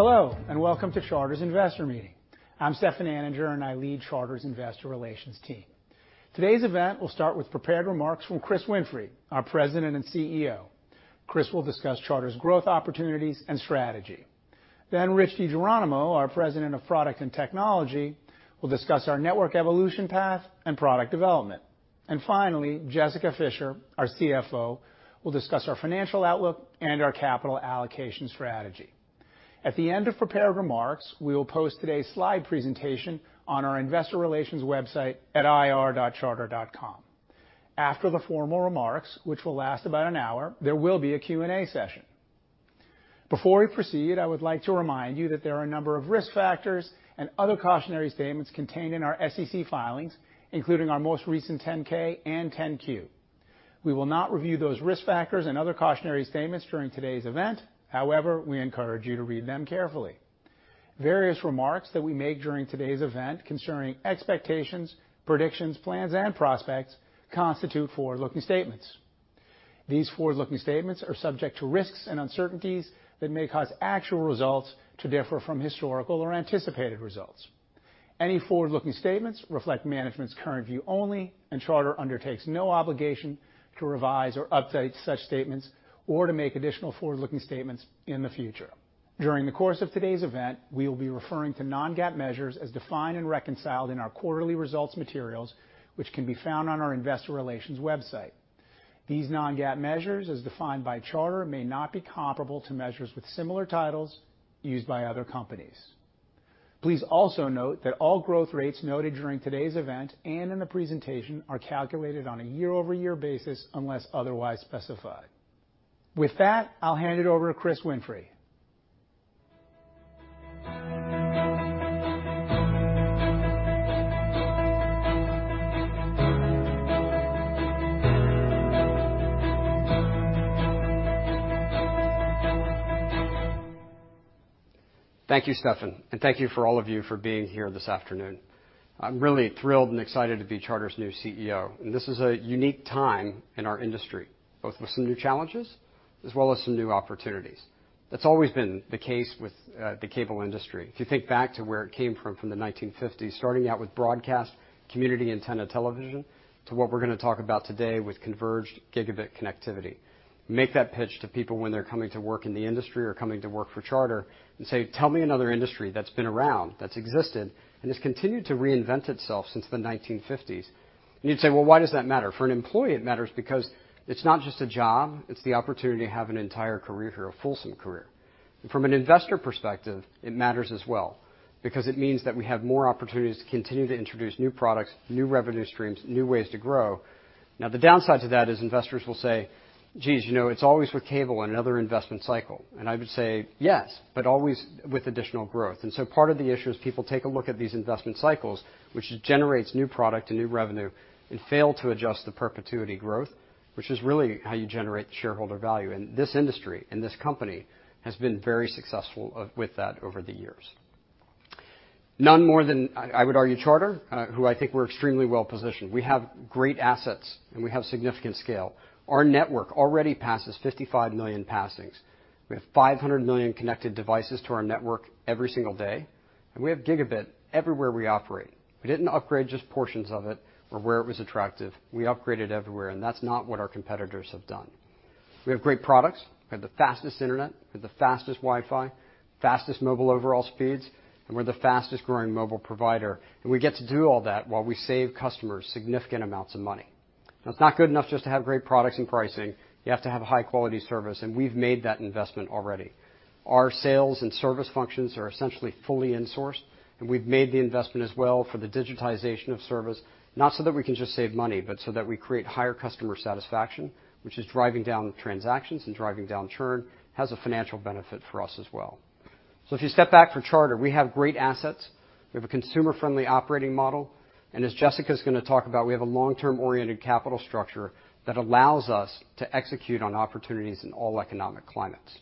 Hello, welcome to Charter's Investor Meeting. I'm Stefan Anninger, and I lead Charter's Investor Relations team. Today's event will start with prepared remarks from Chris Winfrey, our President and CEO. Chris will discuss Charter's growth opportunities and strategy. Rich DiGeronimo, our President of Product and Technology, will discuss our network evolution path and product development. Finally, Jessica Fischer, our CFO, will discuss our financial outlook and our capital allocation strategy. At the end of prepared remarks, we will post today's slide presentation on our Investor Relations website at ir.charter.com. After the formal remarks, which will last about an hour, there will be a Q&A session. Before we proceed, I would like to remind you that there are a number of risk factors and other cautionary statements contained in our SEC filings, including our most recent 10-K and 10-Q. We will not review those risk factors and other cautionary statements during today's event. However, we encourage you to read them carefully. Various remarks that we make during today's event concerning expectations, predictions, plans, and prospects constitute forward-looking statements. These forward-looking statements are subject to risks and uncertainties that may cause actual results to differ from historical or anticipated results. Any forward-looking statements reflect management's current view only, and Charter undertakes no obligation to revise or update such statements or to make additional forward-looking statements in the future. During the course of today's event, we will be referring to non-GAAP measures as defined and reconciled in our quarterly results materials, which can be found on our Investor Relations website. These non-GAAP measures, as defined by Charter, may not be comparable to measures with similar titles used by other companies. Please also note that all growth rates noted during today's event and in the presentation are calculated on a year-over-year basis unless otherwise specified. With that, I'll hand it over to Chris Winfrey. Thank you, Stefan, and thank you for all of you for being here this afternoon. I'm really thrilled and excited to be Charter's new CEO, and this is a unique time in our industry, both with some new challenges as well as some new opportunities. That's always been the case with the cable industry. If you think back to where it came from from the 1950s, starting out with broadcast community antenna television to what we're gonna talk about today with converged gigabit connectivity. Make that pitch to people when they're coming to work in the industry or coming to work for Charter and say, "Tell me another industry that's been around, that's existed, and has continued to reinvent itself since the 1950s." You'd say, "Well, why does that matter?" For an employee, it matters because it's not just a job, it's the opportunity to have an entire career here, a fulsome career. From an investor perspective, it matters as well because it means that we have more opportunities to continue to introduce new products, new revenue streams, new ways to grow. The downside to that is investors will say, "Geez, you know, it's always with cable and another investment cycle." I would say, "Yes, but always with additional growth." Part of the issue is people take a look at these investment cycles, which generates new product and new revenue, and fail to adjust the perpetuity growth, which is really how you generate shareholder value. This industry and this company has been very successful with that over the years. None more than I would argue, Charter, who I think we're extremely well positioned. We have great assets and we have significant scale. Our network already passes 55 million passings. We have 500 million connected devices to our network every single day, and we have gigabit everywhere we operate. We didn't upgrade just portions of it or where it was attractive. We upgraded everywhere, and that's not what our competitors have done. We have great products. We have the fastest internet, we have the fastest Wi-Fi, fastest mobile overall speeds, and we're the fastest growing mobile provider, and we get to do all that while we save customers significant amounts of money. Now, it's not good enough just to have great products and pricing. You have to have a high quality service, and we've made that investment already. Our sales and service functions are essentially fully insourced, and we've made the investment as well for the digitization of service, not so that we can just save money, but so that we create higher customer satisfaction, which is driving down transactions and driving down churn. It has a financial benefit for us as well. If you step back for Charter, we have great assets. We have a consumer-friendly operating model, as Jessica's gonna talk about, we have a long-term oriented capital structure that allows us to execute on opportunities in all economic climates.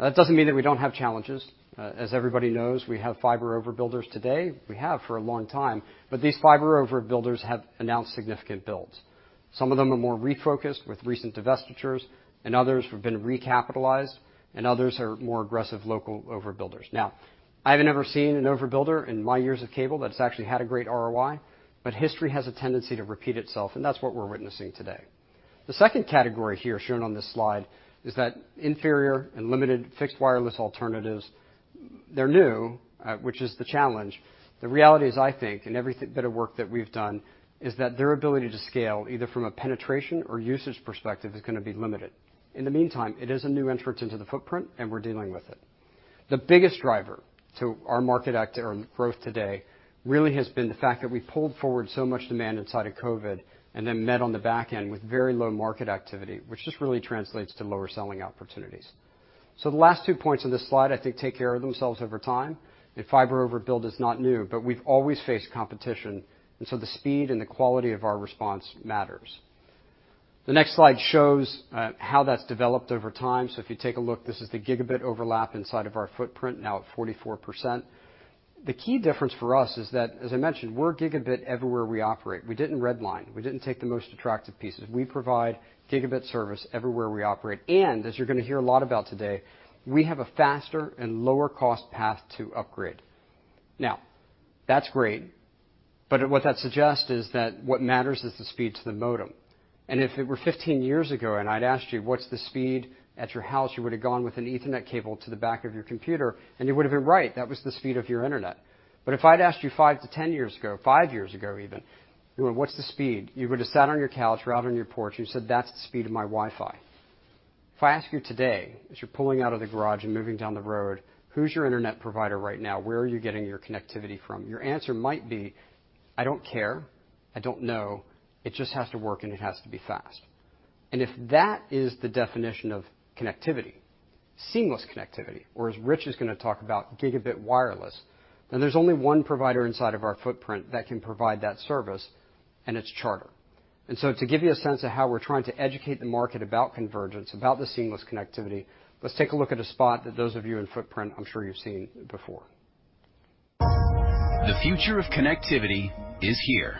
That doesn't mean that we don't have challenges. As everybody knows, we have fiber overbuilders today. We have for a long time. These fiber overbuilders have announced significant builds. Some of them are more refocused with recent divestitures. Others have been recapitalized. Others are more aggressive local overbuilders. Now, I have never seen an overbuilder in my years of cable that's actually had a great ROI. History has a tendency to repeat itself, and that's what we're witnessing today. The second category here shown on this slide is that inferior and limited fixed wireless alternatives, they're new, which is the challenge. The reality is, I think, in every bit of work that we've done is that their ability to scale, either from a penetration or usage perspective, is going to be limited. In the meantime, it is a new entrant into the footprint, and we're dealing with it. The biggest driver to our market act or growth today really has been the fact that we pulled forward so much demand inside of COVID and then met on the back end with very low market activity, which just really translates to lower selling opportunities. The last two points on this slide I think take care of themselves over time, and fiber overbuild is not new, but we've always faced competition, and so the speed and the quality of our response matters. The next slide shows how that's developed over time. If you take a look, this is the gigabit overlap inside of our footprint now at 44%. The key difference for us is that, as I mentioned, we're gigabit everywhere we operate. We didn't redline. We didn't take the most attractive pieces. We provide gigabit service everywhere we operate. As you're gonna hear a lot about today, we have a faster and lower cost path to upgrade. Now that's great, what that suggests is that what matters is the speed to the modem. If it were 15 years ago, and I'd asked you, what's the speed at your house? You would have gone with an Ethernet cable to the back of your computer, and you would have been right. That was the speed of your internet. If I'd asked you 5-10 years ago, five years ago even, what's the speed? You would have sat on your couch or out on your porch, you said, "That's the speed of my Wi-Fi." If I ask you today, as you're pulling out of the garage and moving down the road, who's your internet provider right now? Where are you getting your connectivity from? Your answer might be, I don't care. I don't know. It just has to work, and it has to be fast. If that is the definition of connectivity, seamless connectivity, or as Rich is gonna talk about gigabit wireless, then there's only one provider inside of our footprint that can provide that service, and it's Charter. To give you a sense of how we're trying to educate the market about convergence, about the seamless connectivity, let's take a look at a spot that those of you in footprint, I'm sure you've seen before. The future of connectivity is here,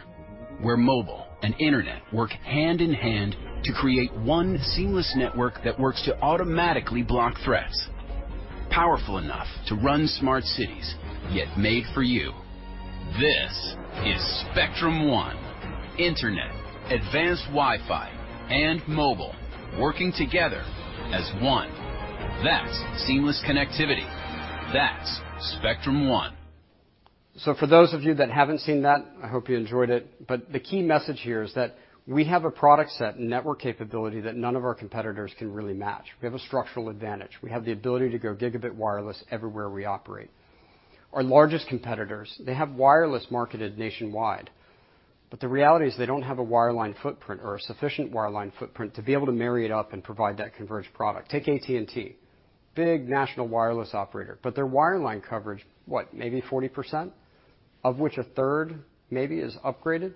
where mobile and Internet work hand in hand to create one seamless network that works to automatically block threats. Powerful enough to run smart cities, yet made for you. This is Spectrum One. Internet, Advanced Wi-Fi, and mobile working together as one. That's seamless connectivity. That's Spectrum One. For those of you that haven't seen that, I hope you enjoyed it. The key message here is that we have a product set and network capability that none of our competitors can really match. We have a structural advantage. We have the ability to go gigabit wireless everywhere we operate. Our largest competitors, they have wireless marketed nationwide, but the reality is they don't have a wireline footprint or a sufficient wireline footprint to be able to marry it up and provide that converged product. Take AT&T, big national wireless operator, but their wireline coverage, what? Maybe 40%, of which a third maybe is upgraded.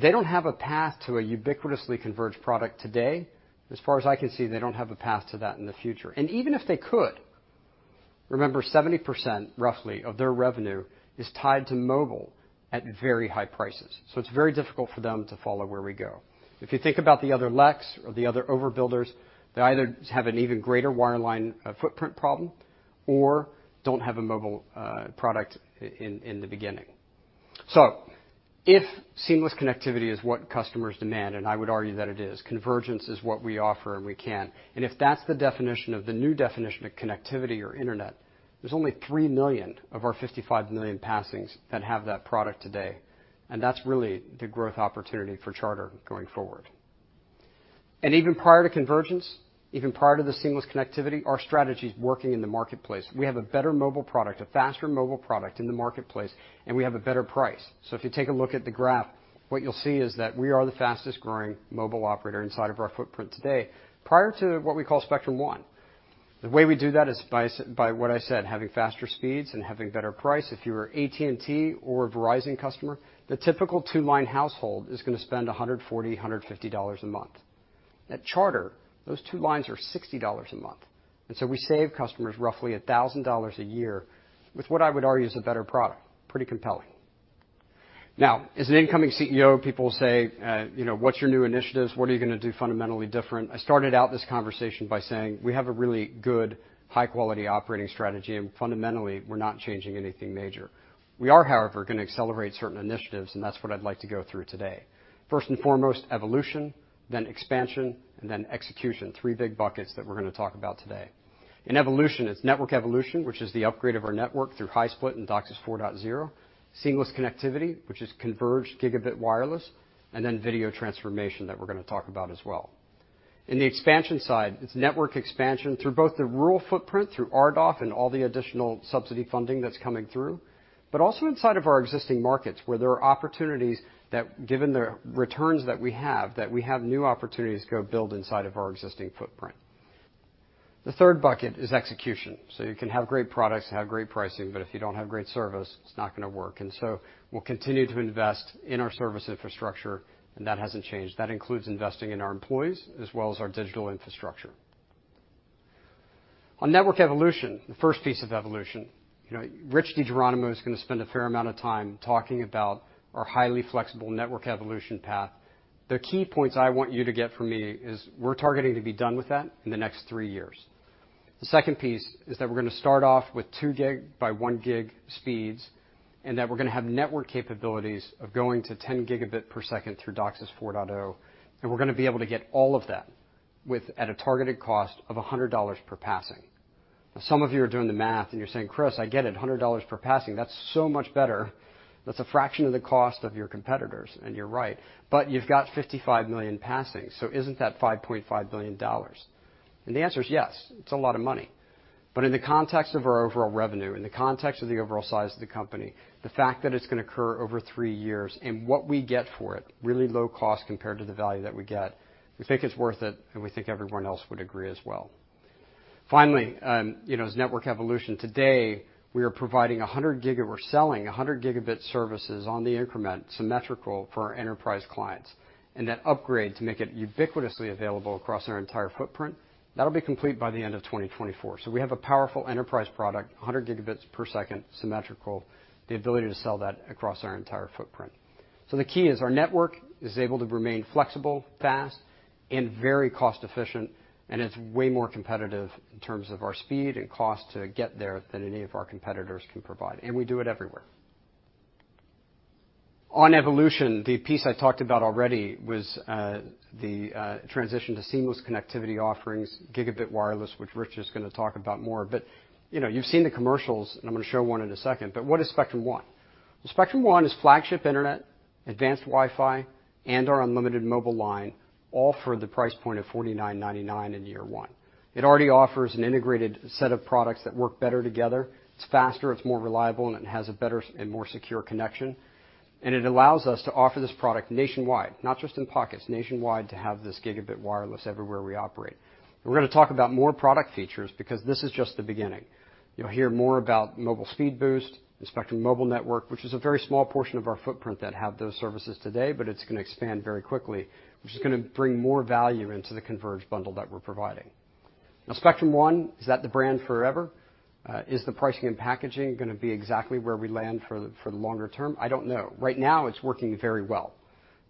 They don't have a path to a ubiquitously converged product today. As far as I can see, they don't have a path to that in the future. Even if they could, remember 70% roughly of their revenue is tied to mobile at very high prices. It's very difficult for them to follow where we go. If you think about the other Lex or the other overbuilders, they either have an even greater wireline footprint problem or don't have a mobile product in the beginning. If seamless connectivity is what customers demand, and I would argue that it is, convergence is what we offer and we can. If that's the definition of the new definition of connectivity or internet, there's only 3 million of our 55 million passings that have that product today. That's really the growth opportunity for Charter going forward. Even prior to convergence, even prior to the seamless connectivity, our strategy is working in the marketplace. We have a better mobile product, a faster mobile product in the marketplace, and we have a better price. If you take a look at the graph, what you'll see is that we are the fastest growing mobile operator inside of our footprint today prior to what we call Spectrum One. The way we do that is by what I said, having faster speeds and having better price. If you are AT&T or a Verizon customer, the typical two-line household is gonna spend $140-$150 a month. At Charter, those two lines are $60 a month. We save customers roughly $1,000 a year with what I would argue is a better product. Pretty compelling. Now, as an incoming CEO, people say, you know, "What's your new initiatives? What are you gonna do fundamentally different?" I started out this conversation by saying, we have a really good, high quality operating strategy, and fundamentally, we're not changing anything major. We are, however, gonna accelerate certain initiatives, and that's what I'd like to go through today. First and foremost, evolution, then expansion, and then execution. Three big buckets that we're gonna talk about today. In evolution, it's network evolution, which is the upgrade of our network through high split and DOCSIS 4.0. Seamless connectivity, which is converged gigabit wireless, and then video transformation that we're gonna talk about as well. In the expansion side, it's network expansion through both the rural footprint, through RDOF and all the additional subsidy funding that's coming through. Also inside of our existing markets where there are opportunities that given the returns that we have, that we have new opportunities to go build inside of our existing footprint. The third bucket is execution. You can have great products, have great pricing, but if you don't have great service, it's not gonna work. We'll continue to invest in our service infrastructure, and that hasn't changed. That includes investing in our employees as well as our digital infrastructure. On network evolution, the first piece of evolution, you know, Rich DiGeronimo is gonna spend a fair amount of time talking about our highly flexible network evolution path. The key points I want you to get from me is we're targeting to be done with that in the next three years. The second piece is that we're gonna start off with 2 gig by 1 gig speeds, and that we're gonna have network capabilities of going to 10 Gb per second through DOCSIS 4.0. We're gonna be able to get all of that at a targeted cost of $100 per passing. Some of you are doing the math, and you're saying, "Chris, I get it. $100 per passing, that's so much better. That's a fraction of the cost of your competitors," and you're right. You've got 55 million passings, so isn't that $5.5 billion? The answer is yes, it's a lot of money. In the context of our overall revenue, in the context of the overall size of the company, the fact that it's gonna occur over three years and what we get for it, really low cost compared to the value that we get, we think it's worth it, and we think everyone else would agree as well. Finally, you know, as network evolution, today, We're selling 100 Gb services on the increment symmetrical for our enterprise clients, and that upgrade to make it ubiquitously available across our entire footprint, that'll be complete by the end of 2024. We have a powerful enterprise product, 100 Gb per second symmetrical, the ability to sell that across our entire footprint. The key is our network is able to remain flexible, fast, and very cost efficient, and it's way more competitive in terms of our speed and cost to get there than any of our competitors can provide, and we do it everywhere. On evolution, the piece I talked about already was the transition to seamless connectivity offerings, gigabit wireless, which Rich is gonna talk about more. You know, you've seen the commercials, and I'm gonna show one in a second, but what is Spectrum One? Spectrum One is flagship internet, Advanced WiFi, and our unlimited mobile line, all for the price point of $49.99 in year one. It already offers an integrated set of products that work better together. It's faster, it's more reliable, and it has a better and more secure connection. It allows us to offer this product nationwide, not just in pockets, nationwide to have this Gig-Powered Wireless everywhere we operate. We're going to talk about more product features because this is just the beginning. You'll hear more about Spectrum Mobile Speed Boost, the Spectrum Mobile network, which is a very small portion of our footprint that have those services today, but it's going to expand very quickly, which is going to bring more value into the converged bundle that we're providing. Spectrum One, is that the brand forever? Is the pricing and packaging going to be exactly where we land for the longer term? I don't know. Right now, it's working very well.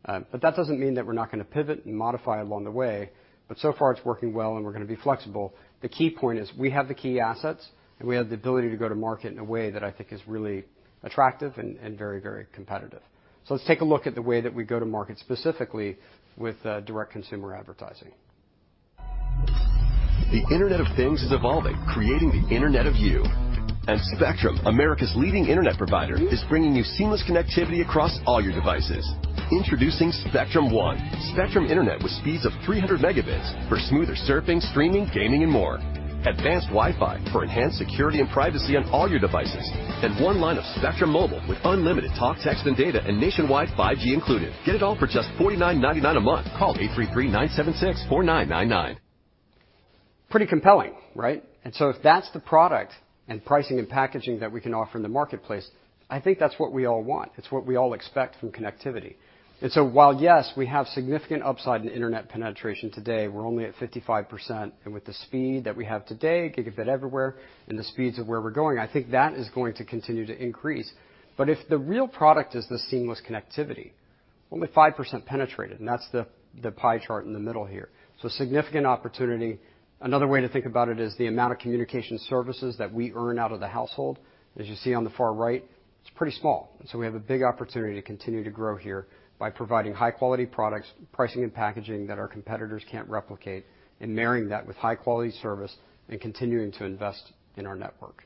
That doesn't mean that we're not going to pivot and modify along the way. So far, it's working well, and we're going to be flexible. The key point is we have the key assets, and we have the ability to go to market in a way that I think is really attractive and very, very competitive. Let's take a look at the way that we go to market, specifically with direct consumer advertising. The Internet of Things is evolving, creating the Internet of You. Spectrum, America's leading internet provider, is bringing you seamless connectivity across all your devices. Introducing Spectrum One, Spectrum Internet with speeds of 300 Mbps for smoother surfing, streaming, gaming and more. Advanced Wi-Fi for enhanced security and privacy on all your devices. One line of Spectrum Mobile with unlimited talk, text, and data and nationwide 5G included. Get it all for just $49.99 a month. Call 833-976-4999. Pretty compelling, right? If that's the product and pricing and packaging that we can offer in the marketplace, I think that's what we all want. It's what we all expect from connectivity. While, yes, we have significant upside in internet penetration today, we're only at 55%. With the speed that we have today, gigabit everywhere, and the speeds of where we're going, I think that is going to continue to increase. If the real product is the seamless connectivity, only 5% penetrated, and that's the pie chart in the middle here. Significant opportunity. Another way to think about it is the amount of communication services that we earn out of the household. As you see on the far right, it's pretty small. We have a big opportunity to continue to grow here by providing high-quality products, pricing and packaging that our competitors can't replicate, and marrying that with high-quality service and continuing to invest in our network.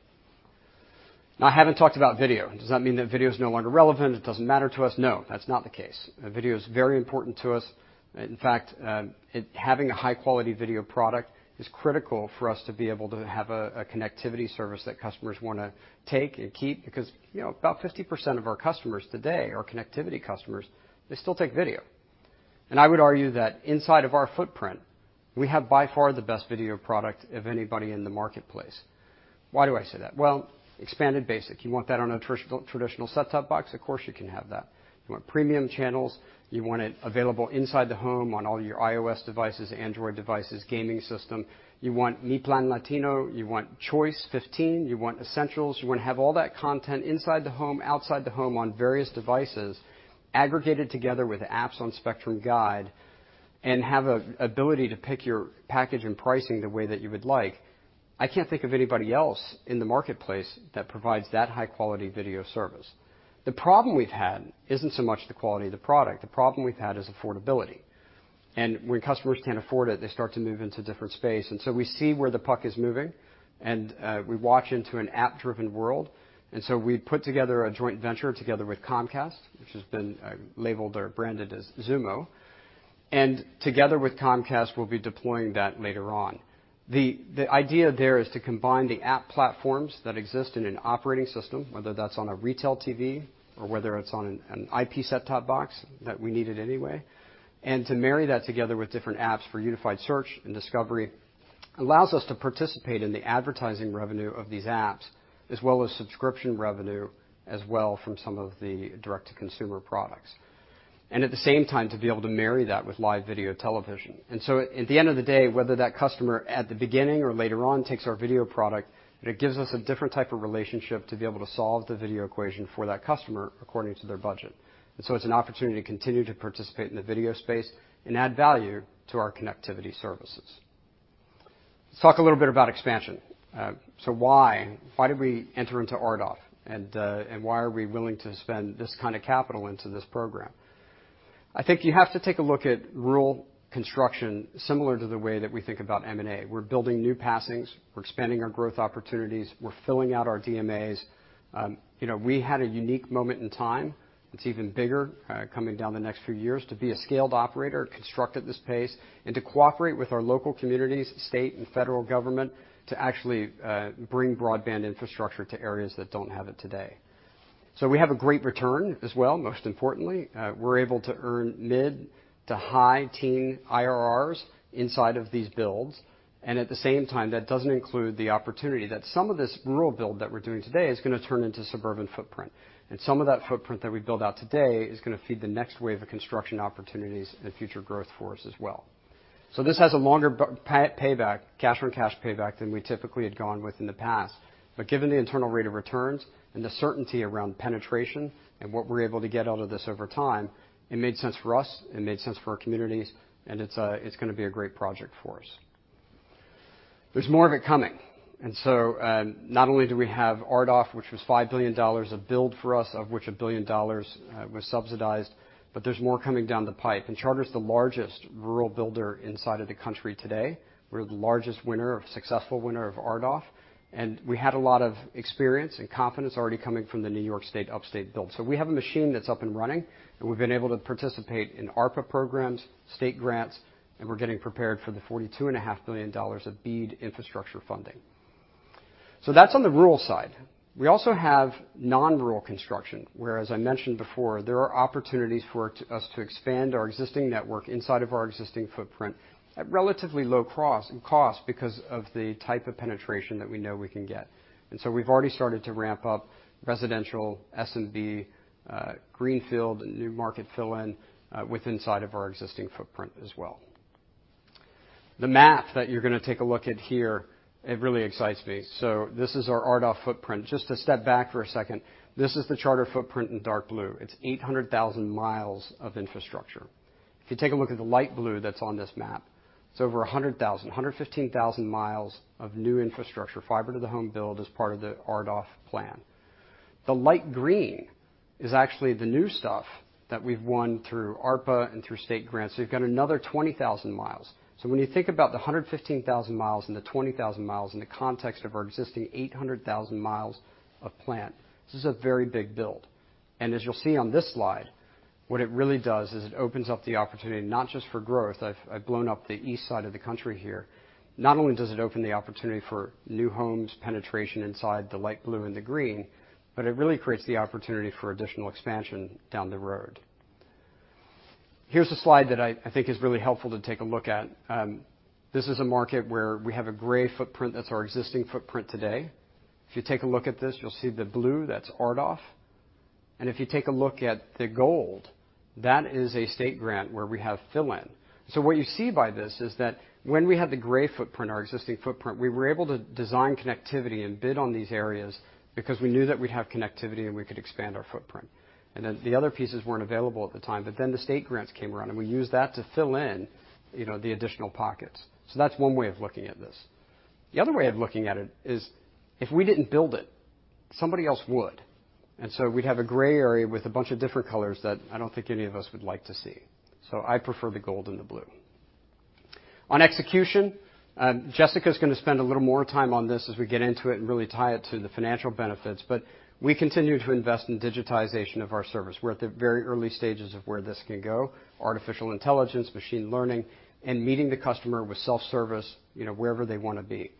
I haven't talked about video. Does that mean that video is no longer relevant? It doesn't matter to us? No, that's not the case. Video is very important to us. In fact, having a high-quality video product is critical for us to be able to have a connectivity service that customers wanna take and keep because, you know, about 50% of our customers today are connectivity customers. They still take video. I would argue that inside of our footprint, we have by far the best video product of anybody in the marketplace. Why do I say that? Expanded basic. You want that on a traditional set-top box? Of course, you can have that. You want premium channels, you want it available inside the home on all your iOS devices, Android devices, gaming system. You want MI PLAN LATINO, you want Choice 15, you want Essentials, you wanna have all that content inside the home, outside the home on various devices, aggregated together with apps on Spectrum Guide and have a ability to pick your package and pricing the way that you would like. I can't think of anybody else in the marketplace that provides that high-quality video service. The problem we've had isn't so much the quality of the product. The problem we've had is affordability. When customers can't afford it, they start to move into different space. We see where the puck is moving, and we watch into an app-driven world. We put together a joint venture together with Comcast, which has been labeled or branded as Xumo. Together with Comcast, we'll be deploying that later on. The idea there is to combine the app platforms that exist in an operating system, whether that's on a retail TV or whether it's on an IP set-top box that we needed anyway. To marry that together with different apps for unified search and discovery allows us to participate in the advertising revenue of these apps, as well as subscription revenue, as well from some of the direct-to-consumer products. At the same time, to be able to marry that with live video television. At the end of the day, whether that customer at the beginning or later on takes our video product, it gives us a different type of relationship to be able to solve the video equation for that customer according to their budget. It's an opportunity to continue to participate in the video space and add value to our connectivity services. Let's talk a little bit about expansion. Why? Why did we enter into RDOF? Why are we willing to spend this kinda capital into this program? I think you have to take a look at rural construction similar to the way that we think about M&A. We're building new passings, we're expanding our growth opportunities, we're filling out our DMAs. You know, we had a unique moment in time. It's even bigger, coming down the next few years to be a scaled operator, construct at this pace, and to cooperate with our local communities, state and federal government to actually, bring broadband infrastructure to areas that don't have it today. We have a great return as well, most importantly. We're able to earn mid to high teen IRRs inside of these builds. At the same time, that doesn't include the opportunity that some of this rural build that we're doing today is gonna turn into suburban footprint. Some of that footprint that we build out today is gonna feed the next wave of construction opportunities and future growth for us as well. This has a longer payback, cash-on-cash payback than we typically had gone with in the past. Given the internal rate of returns and the certainty around penetration and what we're able to get out of this over time, it made sense for us, it made sense for our communities, and it's gonna be a great project for us. There's more of it coming. Not only do we have RDOF, which was $5 billion of build for us, of which $1 billion was subsidized, but there's more coming down the pipe. Charter's the largest rural builder inside of the country today. We're the largest successful winner of RDOF, and we had a lot of experience and confidence already coming from the New York State Upstate build. We have a machine that's up and running, and we've been able to participate in ARPA programs, state grants, and we're getting prepared for the forty-two and a half billion dollars of BEAD infrastructure funding. That's on the rural side. We also have non-rural construction, where, as I mentioned before, there are opportunities for us to expand our existing network inside of our existing footprint at relatively low cost because of the type of penetration that we know we can get. We've already started to ramp up residential SMB, greenfield, new market fill-in, with inside of our existing footprint as well. The map that you're going to take a look at here, it really excites me. This is our RDOF footprint. Just to step back for a second, this is the Charter footprint in dark blue. It's 800,000 miles of infrastructure. If you take a look at the light blue that's on this map, it's over 115,000 miles of new infrastructure, fiber to the home build as part of the RDOF plan. The light green is actually the new stuff that we've won through ARPA and through state grants, you've got another 20,000 miles. When you think about the 115,000 miles and the 20,000 miles in the context of our existing 800,000 miles of plant, this is a very big build. As you'll see on this slide, what it really does is it opens up the opportunity not just for growth. I've blown up the east side of the country here. Not only does it open the opportunity for new homes, penetration inside the light blue and the green, but it really creates the opportunity for additional expansion down the road. Here's a slide that I think is really helpful to take a look at. This is a market where we have a gray footprint. That's our existing footprint today. If you take a look at this, you'll see the blue. That's RDOF. If you take a look at the gold, that is a state grant where we have fill-in. What you see by this is that when we had the gray footprint, our existing footprint, we were able to design connectivity and bid on these areas because we knew that we'd have connectivity, and we could expand our footprint. The other pieces weren't available at the time, the state grants came around, and we used that to fill in, you know, the additional pockets. That's one way of looking at this. The other way of looking at it is if we didn't build it, somebody else would. We'd have a gray area with a bunch of different colors that I don't think any of us would like to see. I prefer the gold and the blue. On execution, Jessica is going to spend a little more time on this as we get into it and really tie it to the financial benefits, but we continue to invest in digitization of our service. We're at the very early stages of where this can go. Artificial intelligence, machine learning, and meeting the customer with self-service, you know, wherever they want to be.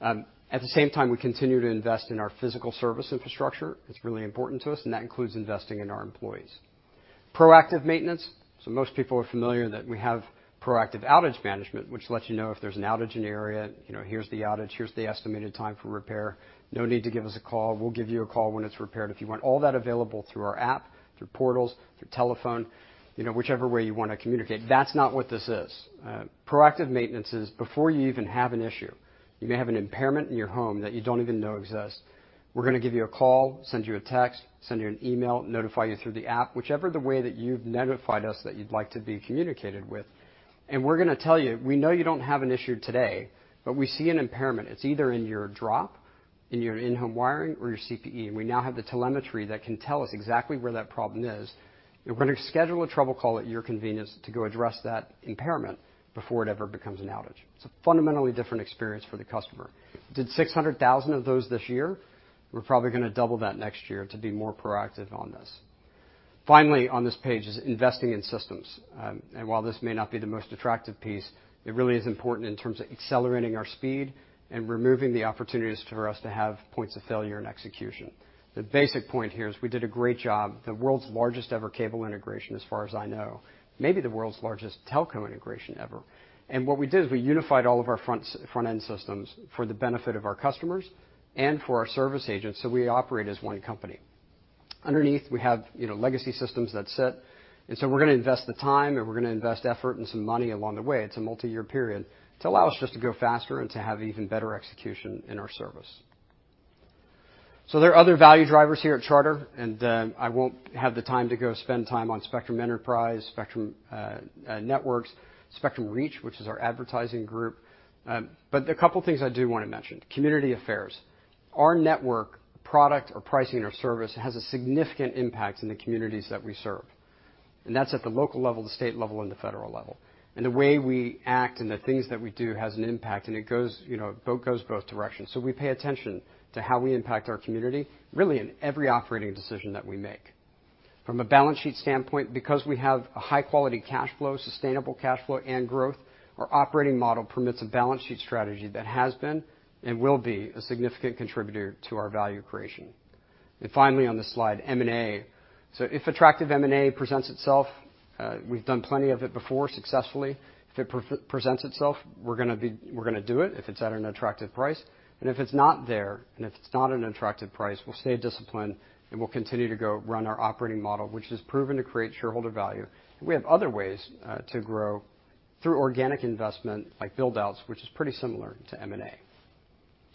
At the same time, we continue to invest in our physical service infrastructure. It's really important to us, and that includes investing in our employees. Proactive maintenance. Most people are familiar that we have proactive outage management, which lets you know if there's an outage in the area. You know, here's the outage, here's the estimated time for repair. No need to give us a call. We'll give you a call when it's repaired. If you want all that available through our app, through portals, through telephone, you know, whichever way you wanna communicate, that's not what this is. Proactive maintenance is before you even have an issue. You may have an impairment in your home that you don't even know exists. We're gonna give you a call, send you a text, send you an email, notify you through the app, whichever the way that you've notified us that you'd like to be communicated with. We're gonna tell you, we know you don't have an issue today, but we see an impairment. It's either in your drop, in your in-home wiring, or your CPE. We now have the telemetry that can tell us exactly where that problem is. We're gonna schedule a trouble call at your convenience to go address that impairment before it ever becomes an outage. It's a fundamentally different experience for the customer. Did 600,000 of those this year. We're probably gonna double that next year to be more proactive on this. Finally, on this page is investing in systems. While this may not be the most attractive piece, it really is important in terms of accelerating our speed and removing the opportunities for us to have points of failure in execution. The basic point here is we did a great job. The world's largest ever cable integration, as far as I know, maybe the world's largest telco integration ever. What we did is we unified all of our front-end systems for the benefit of our customers and for our service agents, so we operate as one company. Underneath, we have, you know, legacy systems that sit. We're gonna invest the time, and we're gonna invest effort and some money along the way, it's a multi-year period, to allow us just to go faster and to have even better execution in our service. There are other value drivers here at Charter, and I won't have the time to go spend time on Spectrum Enterprise, Spectrum Networks, Spectrum Reach, which is our advertising group. A couple things I do wanna mention. Community affairs. Our network product or pricing or service has a significant impact in the communities that we serve, and that's at the local level, the state level, and the federal level. The way we act and the things that we do has an impact, and it goes, you know, both directions. We pay attention to how we impact our community really in every operating decision that we make. From a balance sheet standpoint, because we have a high quality cash flow, sustainable cash flow, and growth, our operating model permits a balance sheet strategy that has been and will be a significant contributor to our value creation. Finally, on this slide, M&A. If attractive M&A presents itself, we've done plenty of it before successfully. If it pre-presents itself, we're gonna do it, if it's at an attractive price. If it's not there, and if it's not an attractive price, we'll stay disciplined, and we'll continue to go run our operating model, which has proven to create shareholder value. We have other ways to grow through organic investment, like build-outs, which is pretty similar to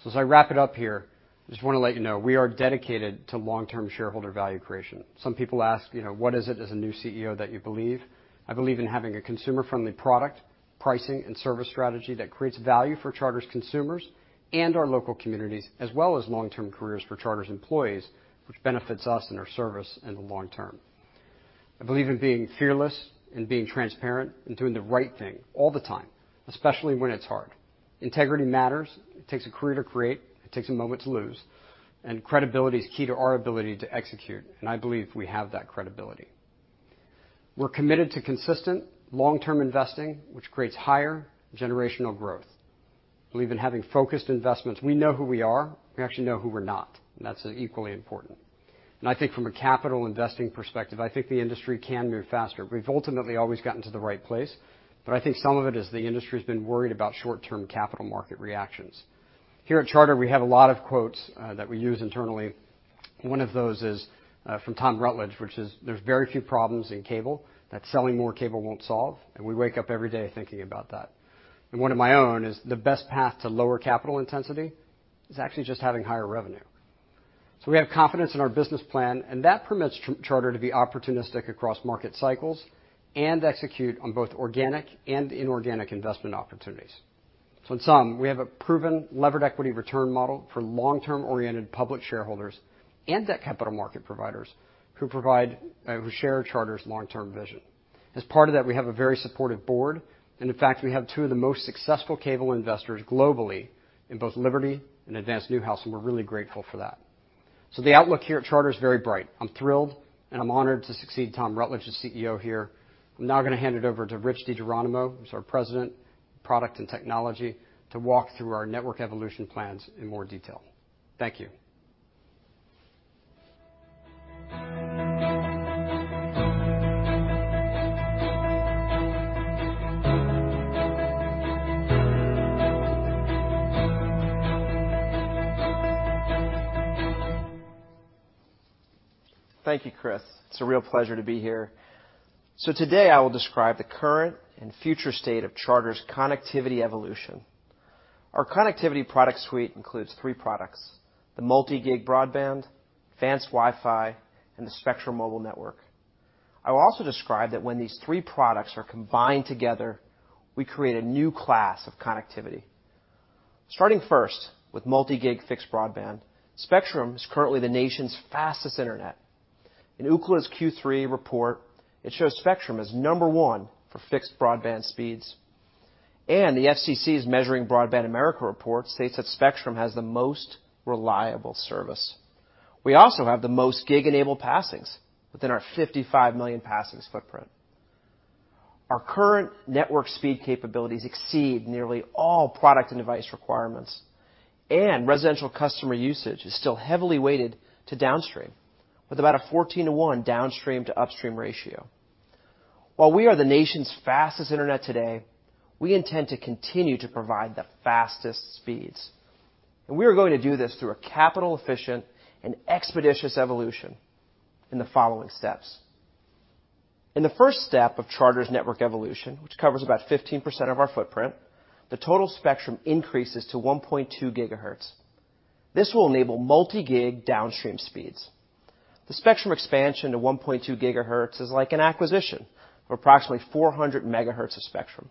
M&A. As I wrap it up here, I just wanna let you know we are dedicated to long-term shareholder value creation. Some people ask, you know, "What is it as a new CEO that you believe?" I believe in having a consumer-friendly product, pricing and service strategy that creates value for Charter's consumers and our local communities, as well as long-term careers for Charter's employees, which benefits us in our service in the long term. I believe in being fearless and being transparent and doing the right thing all the time, especially when it's hard. Integrity matters. It takes a career to create. It takes a moment to lose, and credibility is key to our ability to execute, and I believe we have that credibility. We're committed to consistent long-term investing, which creates higher generational growth. Believe in having focused investments. We know who we are. We actually know who we're not, and that's equally important. I think from a capital investing perspective, I think the industry can move faster. We've ultimately always gotten to the right place, but I think some of it is the industry's been worried about short-term capital market reactions. Here at Charter, we have a lot of quotes that we use internally. One of those is from Tom Rutledge, which is, "There's very few problems in cable that selling more cable won't solve." We wake up every day thinking about that. One of my own is, "The best path to lower capital intensity is actually just having higher revenue." We have confidence in our business plan, and that permits Charter to be opportunistic across market cycles and execute on both organic and inorganic investment opportunities. In sum, we have a proven levered equity return model for long-term oriented public shareholders and debt capital market providers who provide, who share Charter's long-term vision. As part of that, we have a very supportive board, and in fact, we have two of the most successful cable investors globally in both Liberty and Advance Newhouse, and we're really grateful for that. The outlook here at Charter is very bright. I'm thrilled, and I'm honored to succeed Tom Rutledge as CEO here. I'm now gonna hand it over to Rich DiGeronimo, who's our President of Product and Technology, to walk through our network evolution plans in more detail. Thank you. Thank you, Chris. It's a real pleasure to be here. Today I will describe the current and future state of Charter's connectivity evolution. Our connectivity product suite includes three products, the multi-gig broadband, Advanced WiFi, and the Spectrum Mobile network. I will also describe that when these three products are combined together, we create a new class of connectivity. Starting first with multi-gig fixed broadband, Spectrum is currently the nation's fastest internet. In Ookla's Q3 report, it shows Spectrum is number one for fixed broadband speeds, and the FCC's Measuring Broadband America report states that Spectrum has the most reliable service. We also have the most gig-enabled passings within our 55 million passings footprint. Our current network speed capabilities exceed nearly all product and device requirements, and residential customer usage is still heavily weighted to downstream, with about a 14 to 1 downstream to upstream ratio. While we are the nation's fastest internet today, we intend to continue to provide the fastest speeds. We are going to do this through a capital efficient and expeditious evolution in the following steps. In the first step of Charter's network evolution, which covers about 15% of our footprint, the total spectrum increases to 1.2 GHz. This will enable multi-gig downstream speeds. The spectrum expansion to 1.2 GHz is like an acquisition of approximately 400 megahertz of spectrum.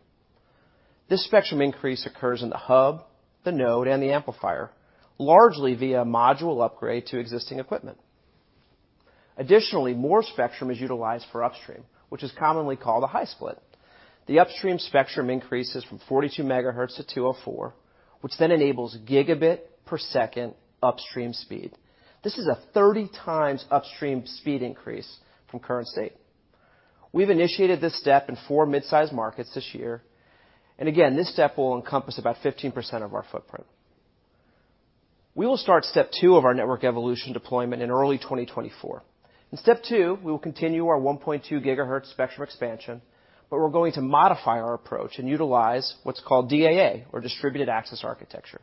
This spectrum increase occurs in the hub, the node, and the amplifier, largely via module upgrade to existing equipment. Additionally, more spectrum is utilized for upstream, which is commonly called a high split. The upstream spectrum increases from 42 megahertz to 204, which then enables gigabit per second upstream speed. This is a 30 times upstream speed increase from current state. We've initiated this step in four mid-sized markets this year, and again, this step will encompass about 15% of our footprint. We will start step two of our network evolution deployment in early 2024. In step two, we will continue our 1.2 GHz spectrum expansion, but we're going to modify our approach and utilize what's called DAA or Distributed Access Architecture.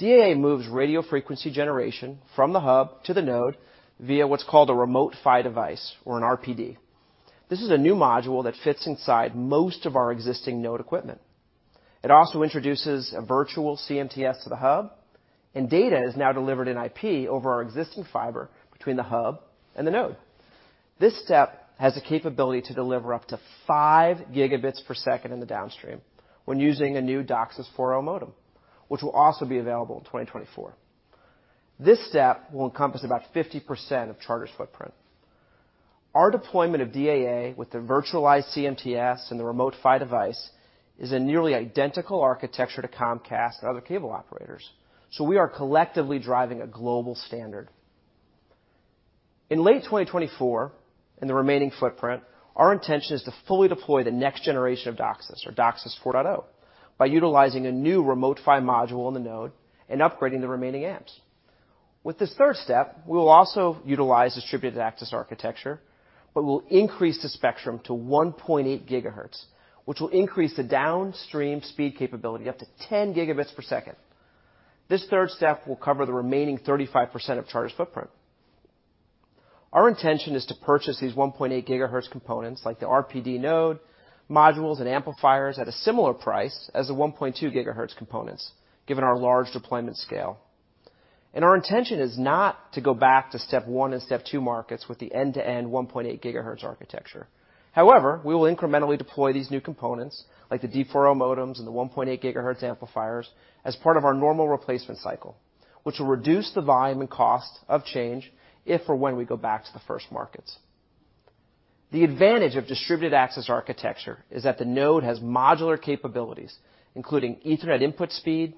DAA moves radio frequency generation from the hub to the node via what's called a Remote PHY Device or an RPD. This is a new module that fits inside most of our existing node equipment. It also introduces a virtual CMTS to the hub, and data is now delivered in IP over our existing fiber between the hub and the node. This step has the capability to deliver up to 5 Gb per second in the downstream when using a new DOCSIS 4.0 modem, which will also be available in 2024. This step will encompass about 50% of Charter's footprint. Our deployment of DAA with the virtual CMTS and the Remote PHY Device is a nearly identical architecture to Comcast and other cable operators. We are collectively driving a global standard. In late 2024, in the remaining footprint, our intention is to fully deploy the next generation of DOCSIS or DOCSIS 4.0, by utilizing a new Remote PHY module in the node and upgrading the remaining amps. With this third step, we will also utilize Distributed Access Architecture. We'll increase the spectrum to 1.8 GHz, which will increase the downstream speed capability up to 10 Gb per second. This third step will cover the remaining 35% of Charter's footprint. Our intention is to purchase these 1.8 GHz components, like the RPD node, modules, and amplifiers at a similar price as the 1.2 GHz components, given our large deployment scale. Our intention is not to go back to step one and step two markets with the end-to-end 1.8 GHz architecture. However, we will incrementally deploy these new components, like the D4.0 modems and the 1.8 GHz amplifiers, as part of our normal replacement cycle, which will reduce the volume and cost of change if or when we go back to the first markets. The advantage of Distributed Access Architecture is that the node has modular capabilities, including Ethernet input speed,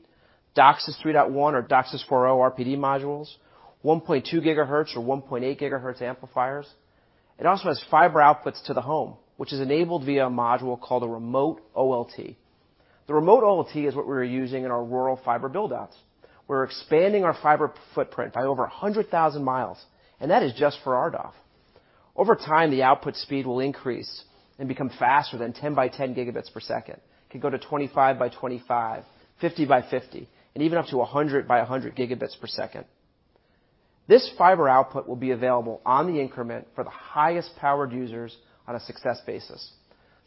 DOCSIS 3.1 or DOCSIS 4.0 RPD modules, 1.2 GHz or 1.8 GHz amplifiers. It also has fiber outputs to the home, which is enabled via a module called a remote OLT. The remote OLT is what we're using in our rural fiber build-outs. We're expanding our fiber footprint by over 100,000 miles. That is just for RDOF. Over time, the output speed will increase and become faster than 10 by 10 Gb per second. It could go to 25 by 25, 50 by 50, and even up to 100 by 100 Gb per second. This fiber output will be available on the increment for the highest powered users on a success basis,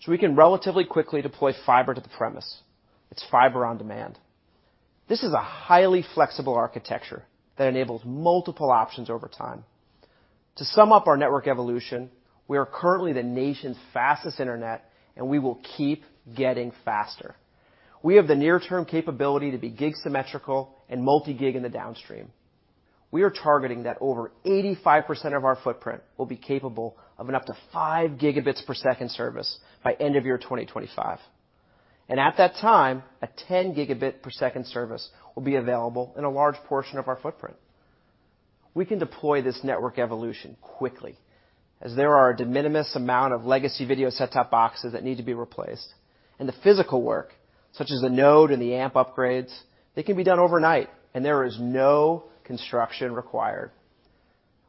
so we can relatively quickly deploy fiber to the premise. It's fiber on demand. This is a highly flexible architecture that enables multiple options over time. To sum up our network evolution, we are currently the nation's fastest internet, and we will keep getting faster. We have the near term capability to be gig symmetrical and multi-gig in the downstream. We are targeting that over 85% of our footprint will be capable of an up to 5 Gb per second service by end of year 2025. At that time, a 10 Gb per second service will be available in a large portion of our footprint. We can deploy this network evolution quickly as there are a de minimis amount of legacy video set-top boxes that need to be replaced, and the physical work, such as the node and the amp upgrades, they can be done overnight, and there is no construction required.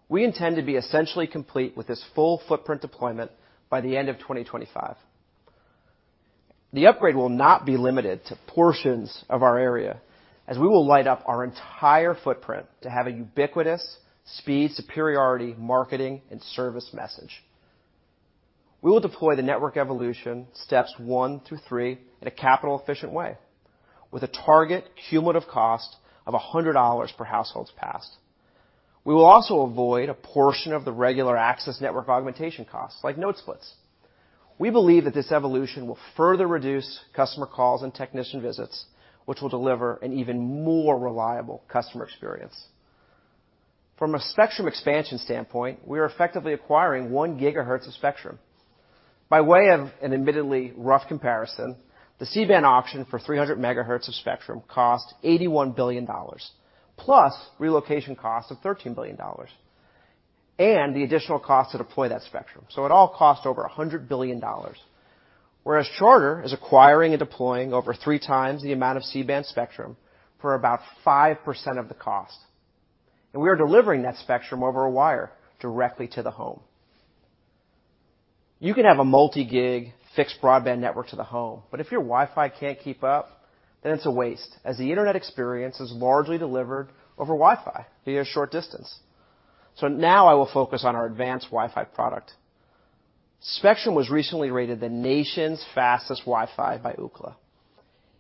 We intend to be essentially complete with this full footprint deployment by the end of 2025. The upgrade will not be limited to portions of our area, as we will light up our entire footprint to have a ubiquitous speed superiority marketing and service message. We will deploy the network evolution steps one through three in a capital efficient way with a target cumulative cost of $100 per households passed. We will also avoid a portion of the regular access network augmentation costs like node splits. We believe that this evolution will further reduce customer calls and technician visits, which will deliver an even more reliable customer experience. From a spectrum expansion standpoint, we are effectively acquiring 1 GHz of spectrum. By way of an admittedly rough comparison, the C-band auction for 300 MHz of spectrum cost $81 billion, plus relocation costs of $13 billion, and the additional cost to deploy that spectrum. It all cost over $100 billion. Whereas Charter is acquiring and deploying over three times the amount of C-band spectrum for about 5% of the cost, and we are delivering that spectrum over a wire directly to the home. You can have a multi-gig fixed broadband network to the home, but if your Wi-Fi can't keep up, then it's a waste, as the internet experience is largely delivered over Wi-Fi via short distance. Now I will focus on our Advanced WiFi product. Spectrum was recently rated the nation's fastest Wi-Fi by Ookla.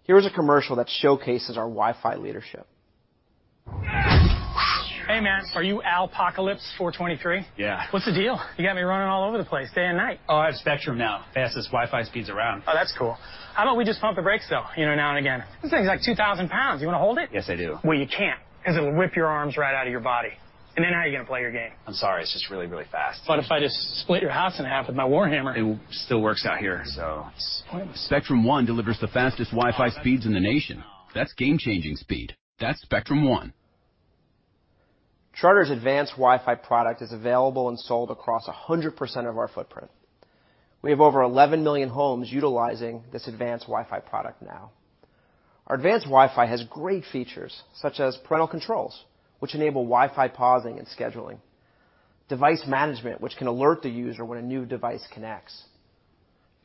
Here is a commercial that showcases our Wi-Fi leadership. Hey, man, are you Alpacalypse423? Yeah. What's the deal? You got me running all over the place day and night. Oh, I have Spectrum now. Fastest Wi-Fi speeds around. Oh, that's cool. How about we just pump the brakes, though, you know, now and again? This thing's like 2,000 pounds. You wanna hold it? Yes, I do. Well, you can't, 'cause it will whip your arms right out of your body. How are you gonna play your game? I'm sorry. It's just really, really fast. What if I just split your house in half with my war hammer? It still works out here, Disappointing. Spectrum One delivers the fastest Wi-Fi speeds in the nation. That's game-changing speed. That's Spectrum One. Charter's Advanced WiFi product is available and sold across 100% of our footprint. We have over 11 million homes utilizing this Advanced WiFi product now. Our Advanced WiFi has great features such as parental controls, which enable WiFi pausing and scheduling. Device management, which can alert the user when a new device connects.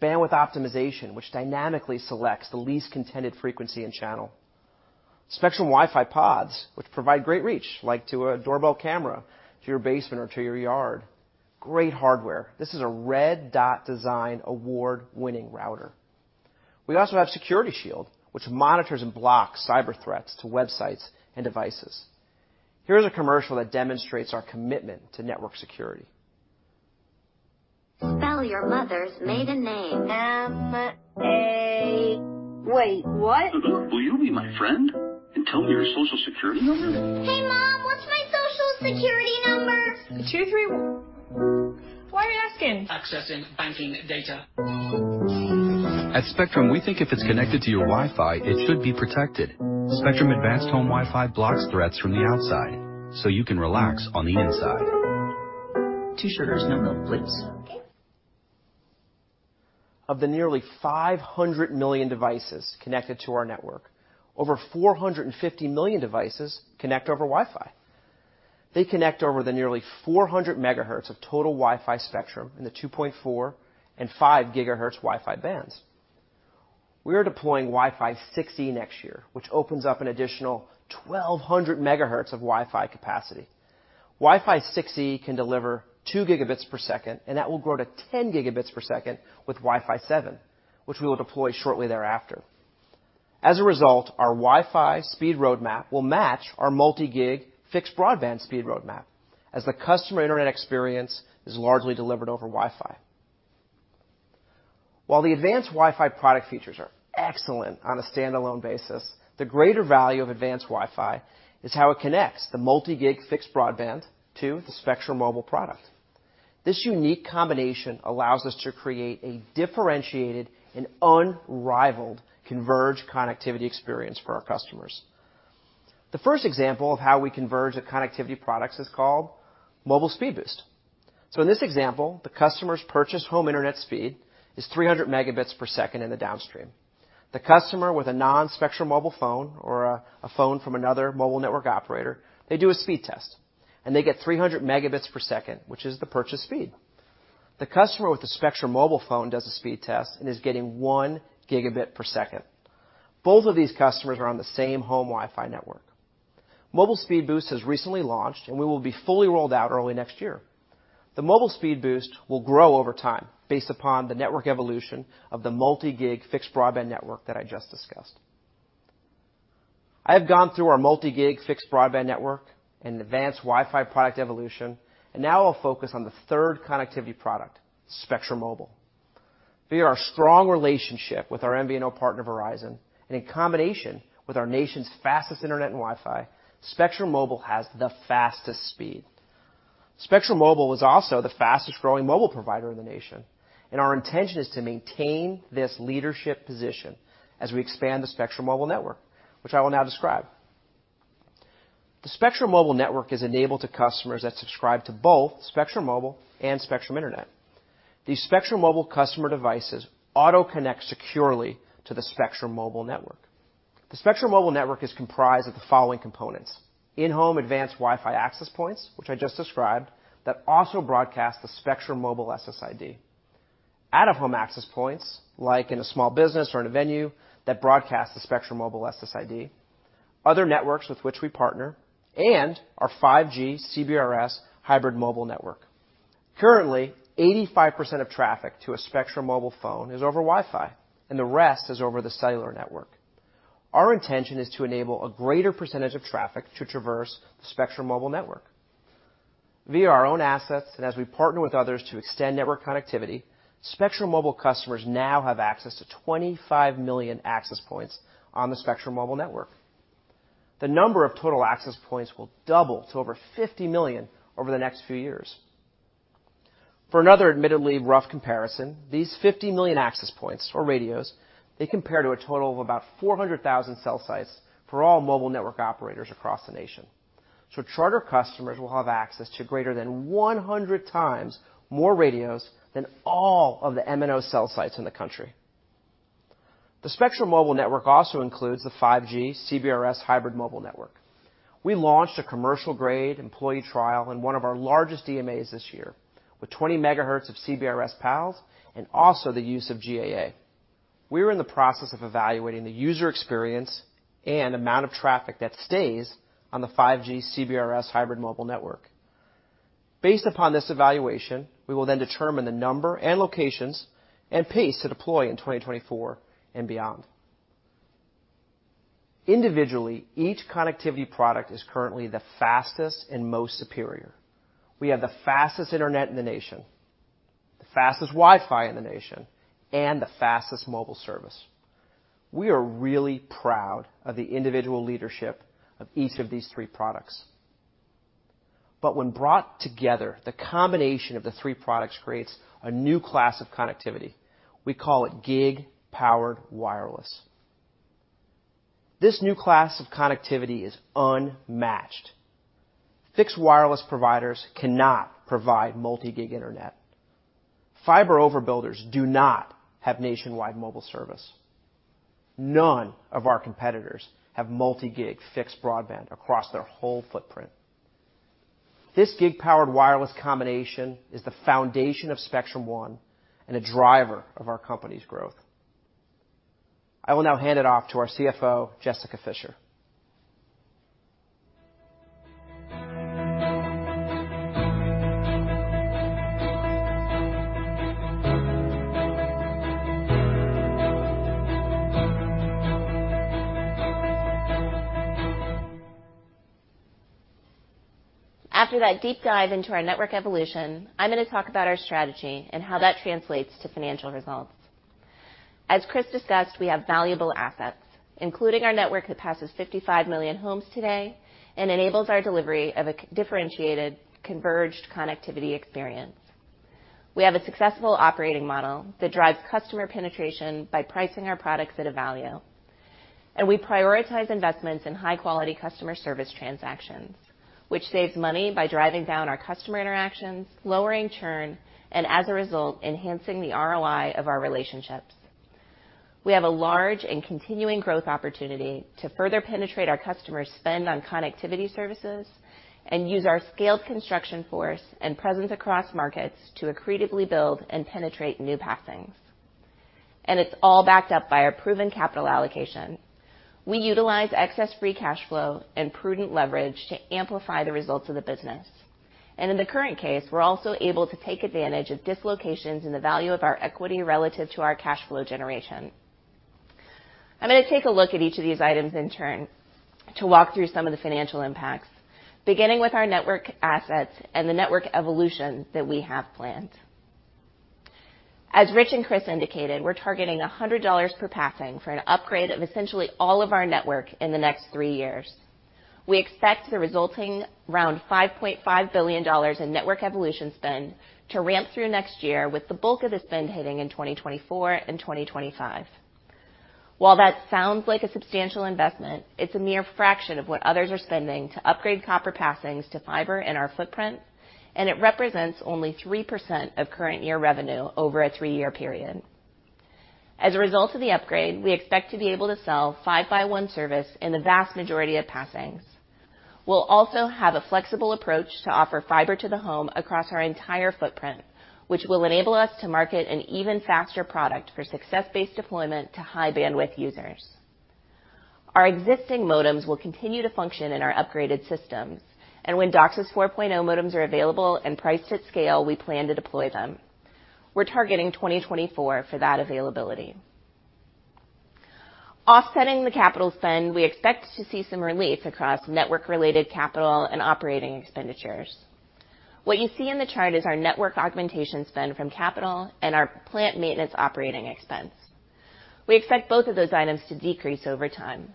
Bandwidth optimization, which dynamically selects the least contended frequency and channel. Spectrum WiFi Pods, which provide great reach, like to a doorbell camera, to your basement or to your yard. Great hardware. This is a Red Dot Design Award-winning router. We also have Security Shield, which monitors and blocks cyber threats to websites and devices. Here is a commercial that demonstrates our commitment to network security. Spell your mother's maiden name. M-A... Wait, what? Will you be my friend and tell me your Social Security number? Hey, Mom, what's my Social Security number? 231... Why are you asking? Accessing banking data.At Spectrum, we think if it's connected to your Wi-Fi, it should be protected. Spectrum Advanced Home WiFi blocks threats from the outside so you can relax on the inside. Two sugars, no milk, please. Okay. Of the nearly 500 million devices connected to our network, over 450 million devices connect over Wi-Fi. They connect over the nearly 400 megahertz of total Wi-Fi spectrum in the 2.4 and 5 GHz Wi-Fi bands. We are deploying Wi-Fi 6E next year, which opens up an additional 1,200 megahertz of Wi-Fi capacity. Wi-Fi 6E can deliver 2 Gb per second, and that will grow to 10 Gb per second with Wi-Fi 7, which we will deploy shortly thereafter. Our Wi-Fi speed roadmap will match our multi-gig fixed broadband speed roadmap as the customer internet experience is largely delivered over Wi-Fi. While the Advanced WiFi product features are excellent on a standalone basis, the greater value of Advanced WiFi is how it connects the multi-gig fixed broadband to the Spectrum Mobile product. This unique combination allows us to create a differentiated and unrivaled converged connectivity experience for our customers. The first example of how we converge the connectivity products is called Mobile Speed Boost. In this example, the customer's purchase home internet speed is 300 megabits per second in the downstream. The customer with a non-Spectrum mobile phone or a phone from another mobile network operator, they do a speed test, and they get 300 megabits per second, which is the purchase speed. The customer with the Spectrum Mobile phone does a speed test and is getting 1 Gb per second. Both of these customers are on the same home Wi-Fi network. Mobile Speed Boost has recently launched, and we will be fully rolled out early next year. The Spectrum Mobile Speed Boost will grow over time based upon the network evolution of the multi-gig fixed broadband network that I just discussed. I have gone through our multi-gig fixed broadband network and Advanced WiFi product evolution, and now I'll focus on the third connectivity product, Spectrum Mobile. Via our strong relationship with our MVNO partner, Verizon, and in combination with our nation's fastest internet and WiFi, Spectrum Mobile has the fastest speed. Spectrum Mobile was also the fastest growing mobile provider in the nation, and our intention is to maintain this leadership position as we expand the Spectrum Mobile network, which I will now describe. The Spectrum Mobile network is enabled to customers that subscribe to both Spectrum Mobile and Spectrum Internet. These Spectrum Mobile customer devices auto connect securely to the Spectrum Mobile network. The Spectrum Mobile network is comprised of the following components: in-home Advanced WiFi access points, which I just described, that also broadcast the Spectrum Mobile SSID. Out-of-home access points, like in a small business or in a venue, that broadcast the Spectrum Mobile SSID, other networks with which we partner, and our 5G CBRS hybrid mobile network. Currently, 85% of traffic to a Spectrum Mobile phone is over Wi-Fi and the rest is over the cellular network. Our intention is to enable a greater percentage of traffic to traverse the Spectrum Mobile network. Via our own assets and as we partner with others to extend network connectivity, Spectrum Mobile customers now have access to 25 million access points on the Spectrum Mobile network. The number of total access points will double to over 50 million over the next few years. For another admittedly rough comparison, these 50 million access points or radios, they compare to a total of about 400,000 cell sites for all mobile network operators across the nation. Charter customers will have access to greater than 100 times more radios than all of the MNO cell sites in the country. The Spectrum Mobile network also includes the 5G CBRS hybrid mobile network. We launched a commercial grade employee trial in one of our largest DMAs this year with 20 megahertz of CBRS PALs and also the use of GAA. We are in the process of evaluating the user experience and amount of traffic that stays on the 5G CBRS hybrid mobile network. Based upon this evaluation, we will then determine the number and locations and pace to deploy in 2024 and beyond. Individually, each connectivity product is currently the fastest and most superior. We have the fastest internet in the nation, the fastest Wi-Fi in the nation, and the fastest mobile service. We are really proud of the individual leadership of each of these three products. When brought together, the combination of the three products creates a new class of connectivity. We call it Gig-Powered Wireless. This new class of connectivity is unmatched. Fixed wireless providers cannot provide multi-gig internet. Fiber over builders do not have nationwide mobile service. None of our competitors have multi-gig fixed broadband across their whole footprint. This Gig-Powered Wireless combination is the foundation of Spectrum One and a driver of our company's growth. I will now hand it off to our CFO, Jessica Fischer. After that deep dive into our network evolution, I'm gonna talk about our strategy and how that translates to financial results. As Chris discussed, we have valuable assets, including our network that passes 55 million homes today and enables our delivery of a differentiated converged connectivity experience. We have a successful operating model that drives customer penetration by pricing our products at a value. We prioritize investments in high quality customer service transactions, which saves money by driving down our customer interactions, lowering churn, and as a result, enhancing the ROI of our relationships. We have a large and continuing growth opportunity to further penetrate our customers' spend on connectivity services and use our scaled construction force and presence across markets to accretively build and penetrate new passings. It's all backed up by our proven capital allocation. We utilize excess free cash flow and prudent leverage to amplify the results of the business. In the current case, we're also able to take advantage of dislocations in the value of our equity relative to our cash flow generation. I'm gonna take a look at each of these items in turn to walk through some of the financial impacts, beginning with our network assets and the network evolution that we have planned. As Rich and Chris indicated, we're targeting $100 per passing for an upgrade of essentially all of our network in the next three years. We expect the resulting around $5.5 billion in network evolution spend to ramp through next year with the bulk of the spend hitting in 2024 and 2025. While that sounds like a substantial investment, it's a mere fraction of what others are spending to upgrade copper passings to fiber in our footprint, and it represents only 3% of current year revenue over a three-year period. As a result of the upgrade, we expect to be able to sell 5x1 service in the vast majority of passings. We'll also have a flexible approach to offer fiber to the home across our entire footprint, which will enable us to market an even faster product for success-based deployment to high bandwidth users. Our existing modems will continue to function in our upgraded systems, and when DOCSIS 4.0 modems are available and priced at scale, we plan to deploy them. We're targeting 2024 for that availability. Offsetting the capital spend, we expect to see some relief across network-related capital and operating expenditures. What you see in the chart is our network augmentation spend from capital and our plant maintenance operating expense. We expect both of those items to decrease over time.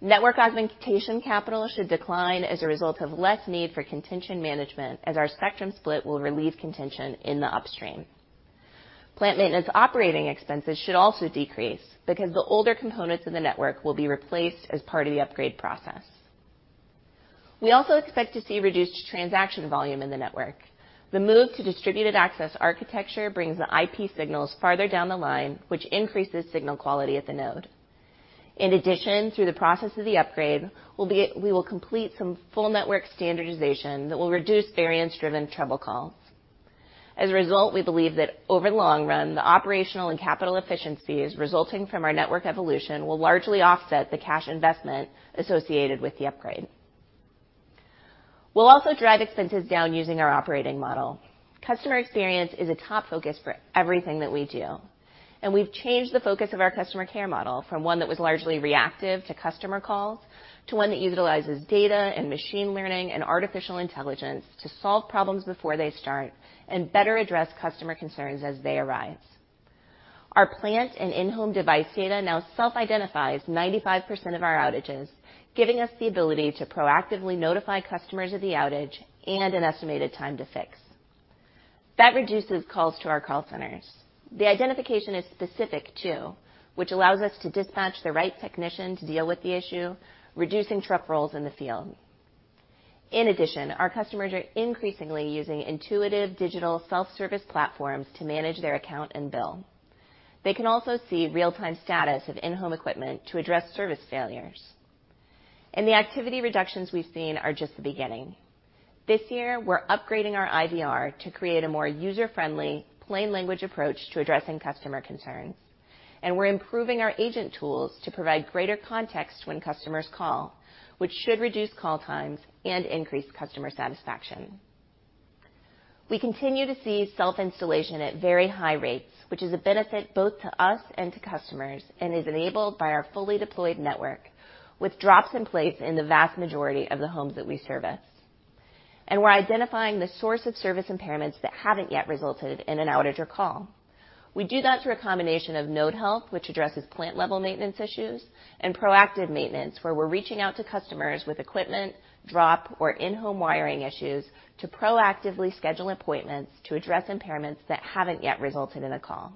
Network augmentation capital should decline as a result of less need for contention management, as our spectrum split will relieve contention in the upstream. Plant maintenance operating expenses should also decrease because the older components of the network will be replaced as part of the upgrade process. We also expect to see reduced transaction volume in the network. The move to Distributed Access Architecture brings the IP signals farther down the line, which increases signal quality at the node. In addition, through the process of the upgrade, we will complete some full network standardization that will reduce variance-driven trouble calls. As a result, we believe that over the long run, the operational and capital efficiencies resulting from our network evolution will largely offset the cash investment associated with the upgrade. We'll also drive expenses down using our operating model. Customer experience is a top focus for everything that we do, and we've changed the focus of our customer care model from one that was largely reactive to customer calls to one that utilizes data and machine learning and artificial intelligence to solve problems before they start and better address customer concerns as they arise. Our plant and in-home device data now self-identifies 95% of our outages, giving us the ability to proactively notify customers of the outage and an estimated time to fix. That reduces calls to our call centers. The identification is specific, too, which allows us to dispatch the right technician to deal with the issue, reducing truck rolls in the field. In addition, our customers are increasingly using intuitive digital self-service platforms to manage their account and bill. They can also see real-time status of in-home equipment to address service failures. The activity reductions we've seen are just the beginning. This year, we're upgrading our IVR to create a more user-friendly, plain language approach to addressing customer concerns, and we're improving our agent tools to provide greater context when customers call, which should reduce call times and increase customer satisfaction. We continue to see self-installation at very high rates, which is a benefit both to us and to customers and is enabled by our fully deployed network with drops in place in the vast majority of the homes that we service. We're identifying the source of service impairments that haven't yet resulted in an outage or call. We do that through a combination of node health, which addresses plant-level maintenance issues, and proactive maintenance, where we're reaching out to customers with equipment, drop, or in-home wiring issues to proactively schedule appointments to address impairments that haven't yet resulted in a call.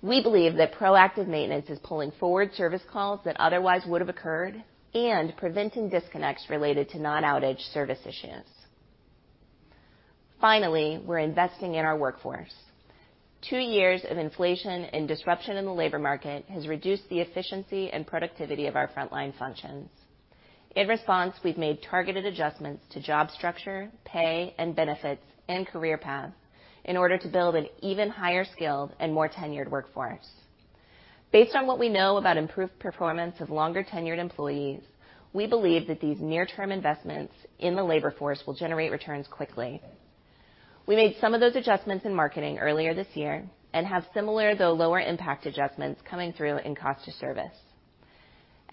We believe that proactive maintenance is pulling forward service calls that otherwise would have occurred and preventing disconnects related to non-outage service issues. Finally, we're investing in our workforce. Two years of inflation and disruption in the labor market has reduced the efficiency and productivity of our frontline functions. In response, we've made targeted adjustments to job structure, pay, and benefits, and career paths in order to build an even higher skilled and more tenured workforce. Based on what we know about improved performance of longer-tenured employees, we believe that these near-term investments in the labor force will generate returns quickly. We made some of those adjustments in marketing earlier this year and have similar, though lower impact adjustments coming through in cost to service.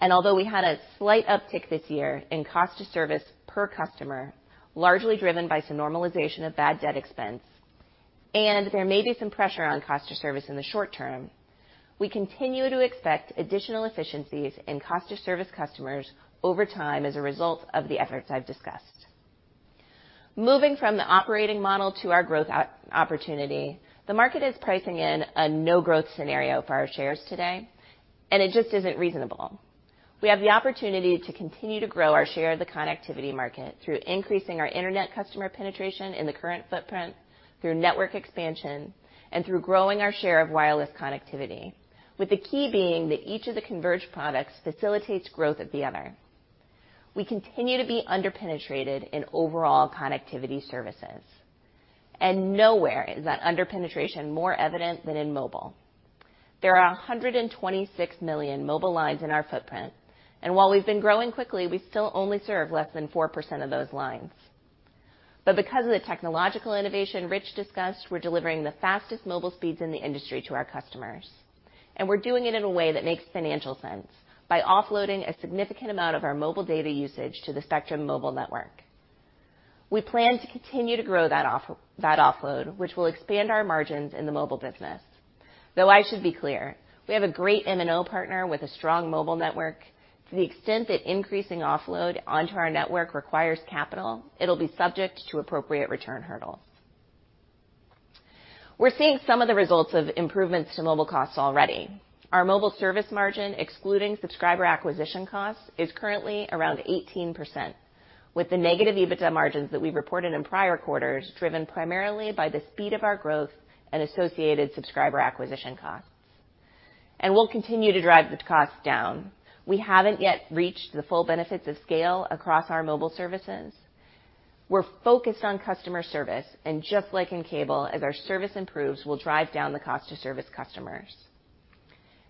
Although we had a slight uptick this year in cost to service per customer, largely driven by some normalization of bad debt expense, and there may be some pressure on cost to service in the short term, we continue to expect additional efficiencies in cost-to-service customers over time as a result of the efforts I've discussed. Moving from the operating model to our growth op-opportunity, the market is pricing in a no-growth scenario for our shares today. It just isn't reasonable. We have the opportunity to continue to grow our share of the connectivity market through increasing our internet customer penetration in the current footprint through network expansion and through growing our share of wireless connectivity, with the key being that each of the converged products facilitates growth of the other. Nowhere is that under-penetration more evident than in mobile. There are 126 million mobile lines in our footprint, and while we've been growing quickly, we still only serve less than 4% of those lines. Because of the technological innovation Rich discussed, we're delivering the fastest mobile speeds in the industry to our customers, and we're doing it in a way that makes financial sense, by offloading a significant amount of our mobile data usage to the Spectrum Mobile network. We plan to continue to grow that offload, which will expand our margins in the mobile business. Though I should be clear, we have a great MNO partner with a strong mobile network. To the extent that increasing offload onto our network requires capital, it'll be subject to appropriate return hurdles. We're seeing some of the results of improvements to mobile costs already. Our mobile service margin, excluding subscriber acquisition costs, is currently around 18%, with the negative EBITDA margins that we reported in prior quarters driven primarily by the speed of our growth and associated subscriber acquisition costs. We'll continue to drive the costs down. We haven't yet reached the full benefits of scale across our mobile services. We're focused on customer service, and just like in cable, as our service improves, we'll drive down the cost to service customers.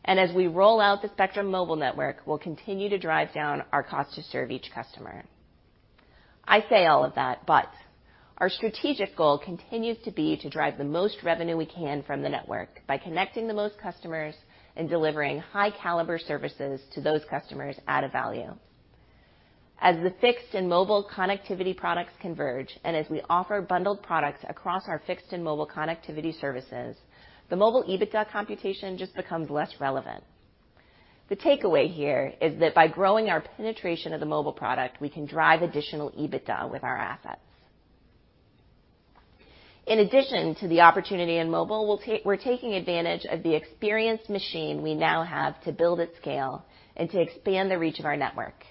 As we roll out the Spectrum Mobile network, we'll continue to drive down our cost to serve each customer. I say all of that, our strategic goal continues to be to drive the most revenue we can from the network by connecting the most customers and delivering high-caliber services to those customers at a value. As the fixed and mobile connectivity products converge, and as we offer bundled products across our fixed and mobile connectivity services, the mobile EBITDA computation just becomes less relevant. The takeaway here is that by growing our penetration of the mobile product, we can drive additional EBITDA with our assets. In addition to the opportunity in mobile, we're taking advantage of the experienced machine we now have to build at scale and to expand the reach of our network.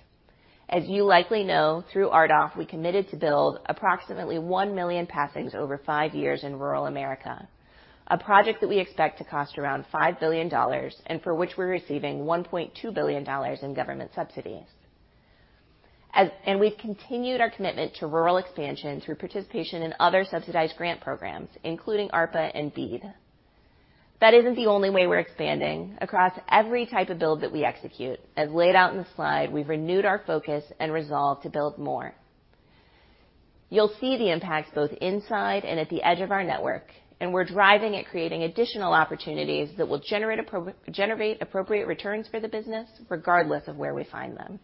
As you likely know, through RDOF, we committed to build approximately 1 million passings over five years in rural America, a project that we expect to cost around $5 billion, and for which we're receiving $1.2 billion in government subsidies. We've continued our commitment to rural expansion through participation in other subsidized grant programs, including ARPA and BEAD. That isn't the only way we're expanding. Across every type of build that we execute, as laid out in the slide, we've renewed our focus and resolve to build more. You'll see the impacts both inside and at the edge of our network, and we're driving at creating additional opportunities that will generate appropriate returns for the business, regardless of where we find them.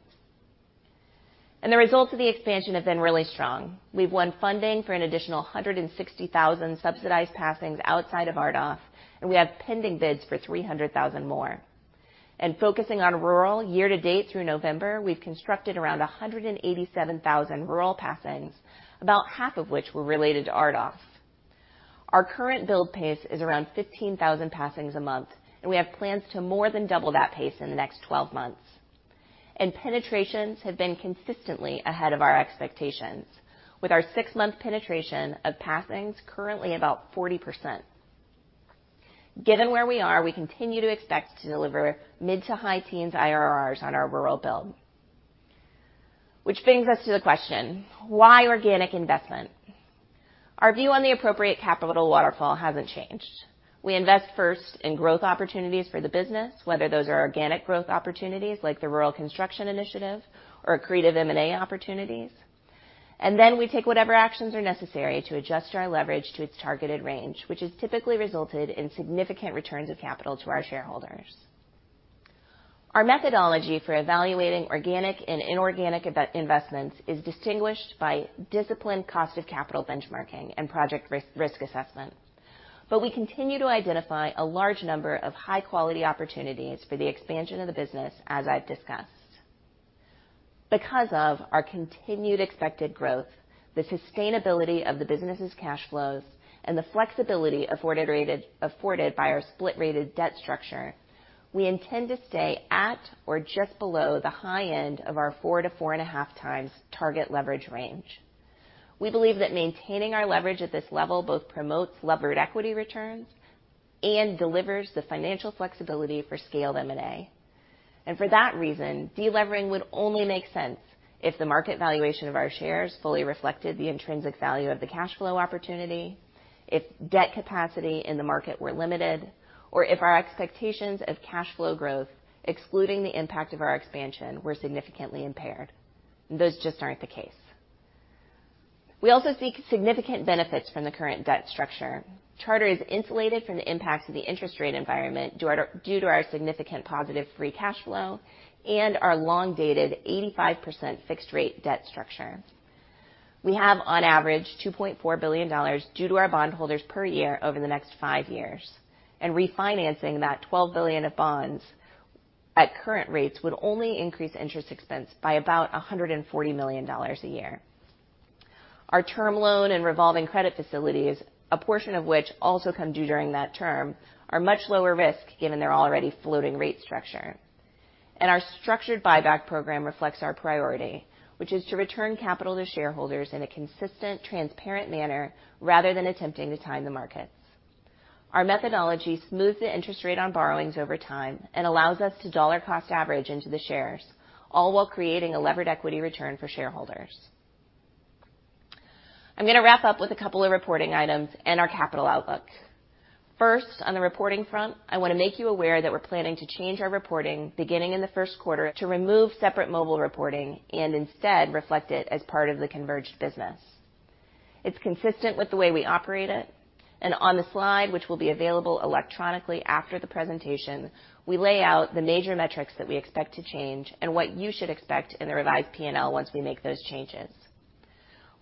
The results of the expansion have been really strong. We've won funding for an additional 160,000 subsidized passings outside of RDOF. We have pending bids for 300,000 more. Focusing on rural year-to-date through November, we've constructed around 187,000 rural passings, about half of which were related to RDOF. Our current build pace is around 15,000 passings a month. We have plans to more than double that pace in the next 12 months. Penetrations have been consistently ahead of our expectations. With our six-month penetration of passings currently about 40%. Given where we are, we continue to expect to deliver mid to high teens IRRs on our rural build. Brings us to the question: Why organic investment? Our view on the appropriate capital waterfall hasn't changed. We invest first in growth opportunities for the business, whether those are organic growth opportunities, like the Rural Construction Initiative, or accretive M&A opportunities. We take whatever actions are necessary to adjust our leverage to its targeted range, which has typically resulted in significant returns of capital to our shareholders. Our methodology for evaluating organic and inorganic investments is distinguished by disciplined cost of capital benchmarking and project risk assessment. We continue to identify a large number of high-quality opportunities for the expansion of the business, as I've discussed. Because of our continued expected growth, the sustainability of the business's cash flows, and the flexibility afforded by our split rated debt structure, we intend to stay at or just below the high end of our 4 to 4.5x target leverage range. We believe that maintaining our leverage at this level both promotes levered equity returns and delivers the financial flexibility for scaled M&A. For that reason, delevering would only make sense if the market valuation of our shares fully reflected the intrinsic value of the cash flow opportunity, if debt capacity in the market were limited, or if our expectations of cash flow growth, excluding the impact of our expansion, were significantly impaired. Those just aren't the case. We also see significant benefits from the current debt structure. Charter is insulated from the impacts of the interest rate environment due to our significant positive free cash flow and our long-dated 85% fixed rate debt structure. We have on average $2.4 billion due to our bondholders per year over the next five years. Refinancing that $12 billion of bonds at current rates would only increase interest expense by about $140 million a year. Our term loan and revolving credit facilities, a portion of which also come due during that term, are much lower risk given their already floating rate structure. Our structured buyback program reflects our priority, which is to return capital to shareholders in a consistent, transparent manner rather than attempting to time the markets. Our methodology smooths the interest rate on borrowings over time and allows us to dollar cost average into the shares, all while creating a levered equity return for shareholders. I'm going to wrap up with a couple of reporting items and our capital outlook. First, on the reporting front, I want to make you aware that we're planning to change our reporting beginning in the 1st quarter to remove separate mobile reporting and instead reflect it as part of the converged business. It's consistent with the way we operate it. On the slide, which will be available electronically after the presentation, we lay out the major metrics that we expect to change and what you should expect in the revised P&L once we make those changes.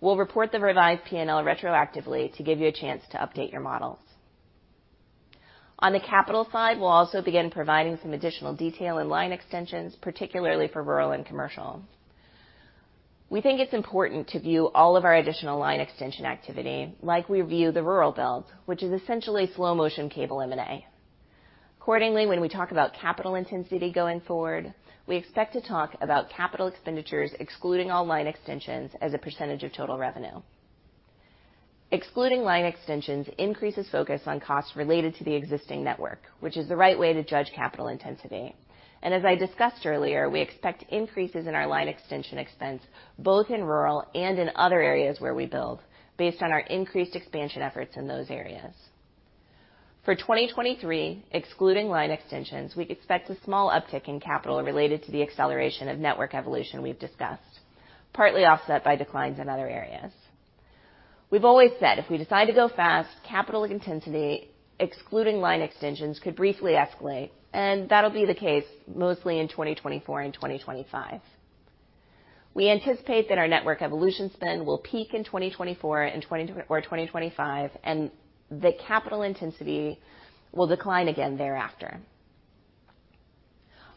We'll report the revised P&L retroactively to give you a chance to update your models. On the capital side, we'll also begin providing some additional detail and line extensions, particularly for rural and commercial. We think it's important to view all of our additional line extension activity like we view the rural build, which is essentially slow-motion cable M&A. Accordingly, when we talk about capital intensity going forward, we expect to talk about capital expenditures excluding all line extensions as a % of total revenue. Excluding line extensions increases focus on costs related to the existing network, which is the right way to judge capital intensity. As I discussed earlier, we expect increases in our line extension expense, both in rural and in other areas where we build based on our increased expansion efforts in those areas. For 2023, excluding line extensions, we expect a small uptick in capital related to the acceleration of network evolution we've discussed, partly offset by declines in other areas. We've always said if we decide to go fast, capital intensity, excluding line extensions, could briefly escalate, and that'll be the case mostly in 2024 and 2025. We anticipate that our network evolution spend will peak in 2024 and 2024-2025, and the capital intensity will decline again thereafter.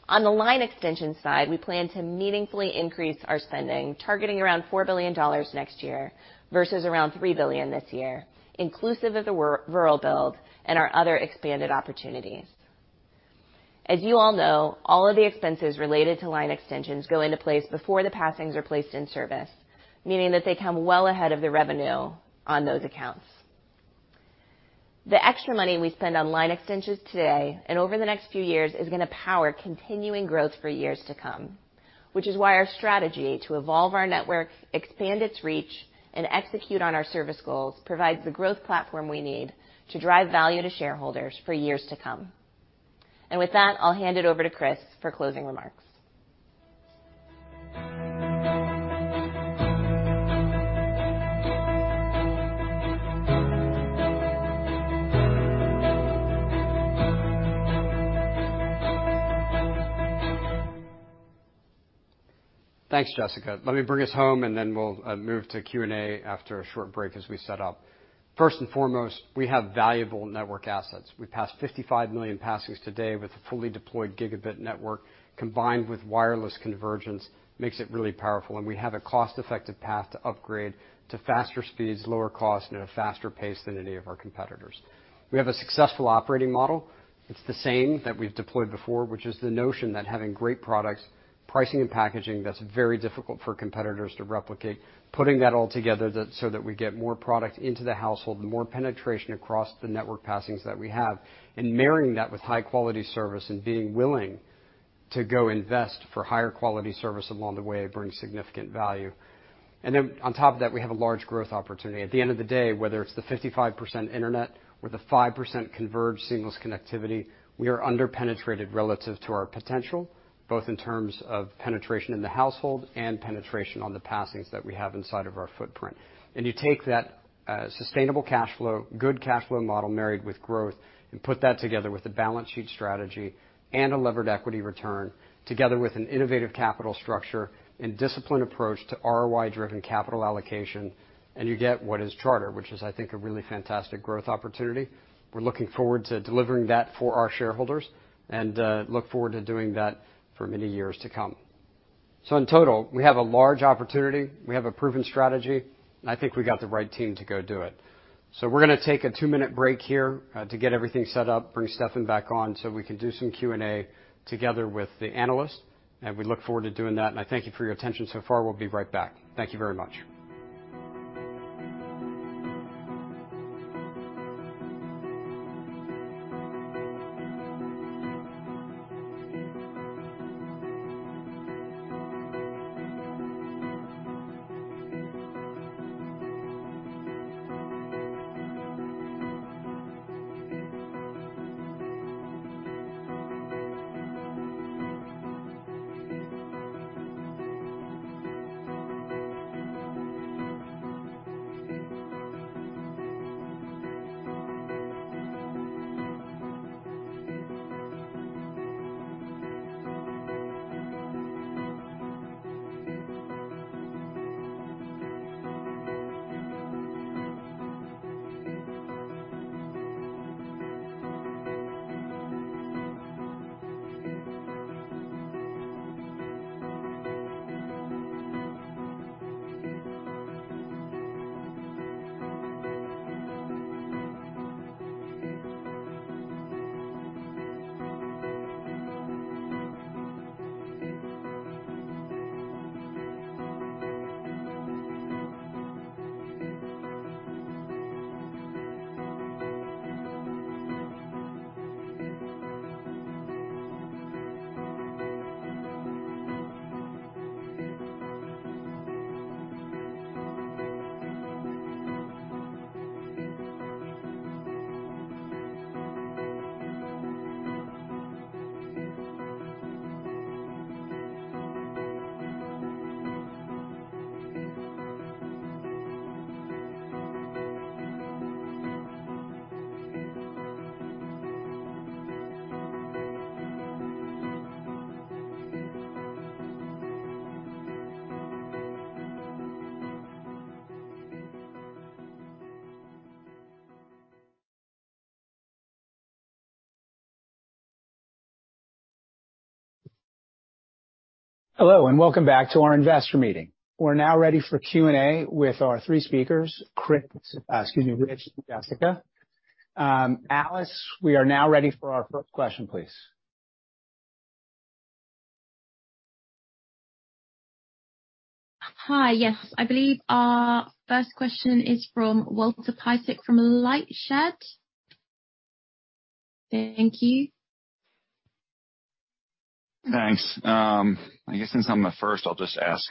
On the line extension side, we plan to meaningfully increase our spending, targeting around $4 billion next year versus around $3 billion this year, inclusive of the rural build and our other expanded opportunities. As you all know, all of the expenses related to line extensions go into place before the passings are placed in service, meaning that they come well ahead of the revenue on those accounts. The extra money we spend on line extensions today and over the next few years is gonna power continuing growth for years to come, which is why our strategy to evolve our network, expand its reach, and execute on our service goals provides the growth platform we need to drive value to shareholders for years to come. With that, I'll hand it over to Chris for closing remarks. Thanks, Jessica. Let me bring us home, and then we'll move to Q&A after a short break as we set up. We have valuable network assets. We passed 55 million passings today with a fully deployed gigabit network, combined with wireless convergence, makes it really powerful. We have a cost-effective path to upgrade to faster speeds, lower cost, and at a faster pace than any of our competitors. We have a successful operating model. It's the same that we've deployed before, which is the notion that having great products, pricing and packaging that's very difficult for competitors to replicate, putting that all together so that we get more product into the household, more penetration across the network passings that we have, marrying that with high-quality service and being willing to go invest for higher quality service along the way brings significant value. Then on top of that, we have a large growth opportunity. At the end of the day, whether it's the 55% internet or the 5% converged seamless connectivity, we are under-penetrated relative to our potential, both in terms of penetration in the household and penetration on the passings that we have inside of our footprint. You take that, sustainable cash flow, good cash flow model married with growth and put that together with a balance sheet strategy and a levered equity return together with an innovative capital structure and disciplined approach to ROI-driven capital allocation, and you get what is Charter, which is, I think, a really fantastic growth opportunity. We're looking forward to delivering that for our shareholders and, look forward to doing that for many years to come. In total, we have a large opportunity, we have a proven strategy, and I think we got the right team to go do it. We're gonna take a 2-minute break here to get everything set up, bring Stefan back on, so we can do some Q&A together with the analysts, and we look forward to doing that. I thank you for your attention so far. We'll be right back. Thank you very much. Hello, welcome back to our investor meeting. We're now ready for Q&A with our three speakers, excuse me, Rich and Jessica. Alice, we are now ready for our first question, please. Hi. Yes. I believe our first question is from Walter Piecyk from LightShed Partners. Thank you. Thanks. I guess since I'm the first, I'll just ask,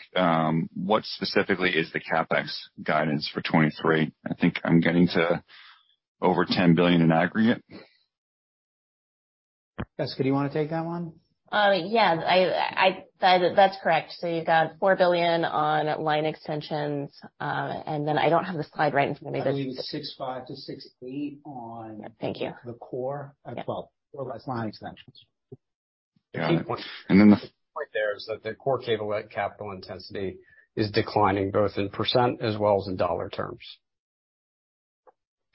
what specifically is the CapEx guidance for 2023? I think I'm getting to over $10 billion in aggregate. Jessica, do you wanna take that one? Yeah. That's correct. You got $4 billion on line extensions, and then I don't have the slide right in front of me. I believe it's 6.5-6.8. Thank you. the core. Yeah. Well, more or less line extensions. Got it. And then. The point there is that the core cable capital intensity is declining both in percent as well as in dollar terms.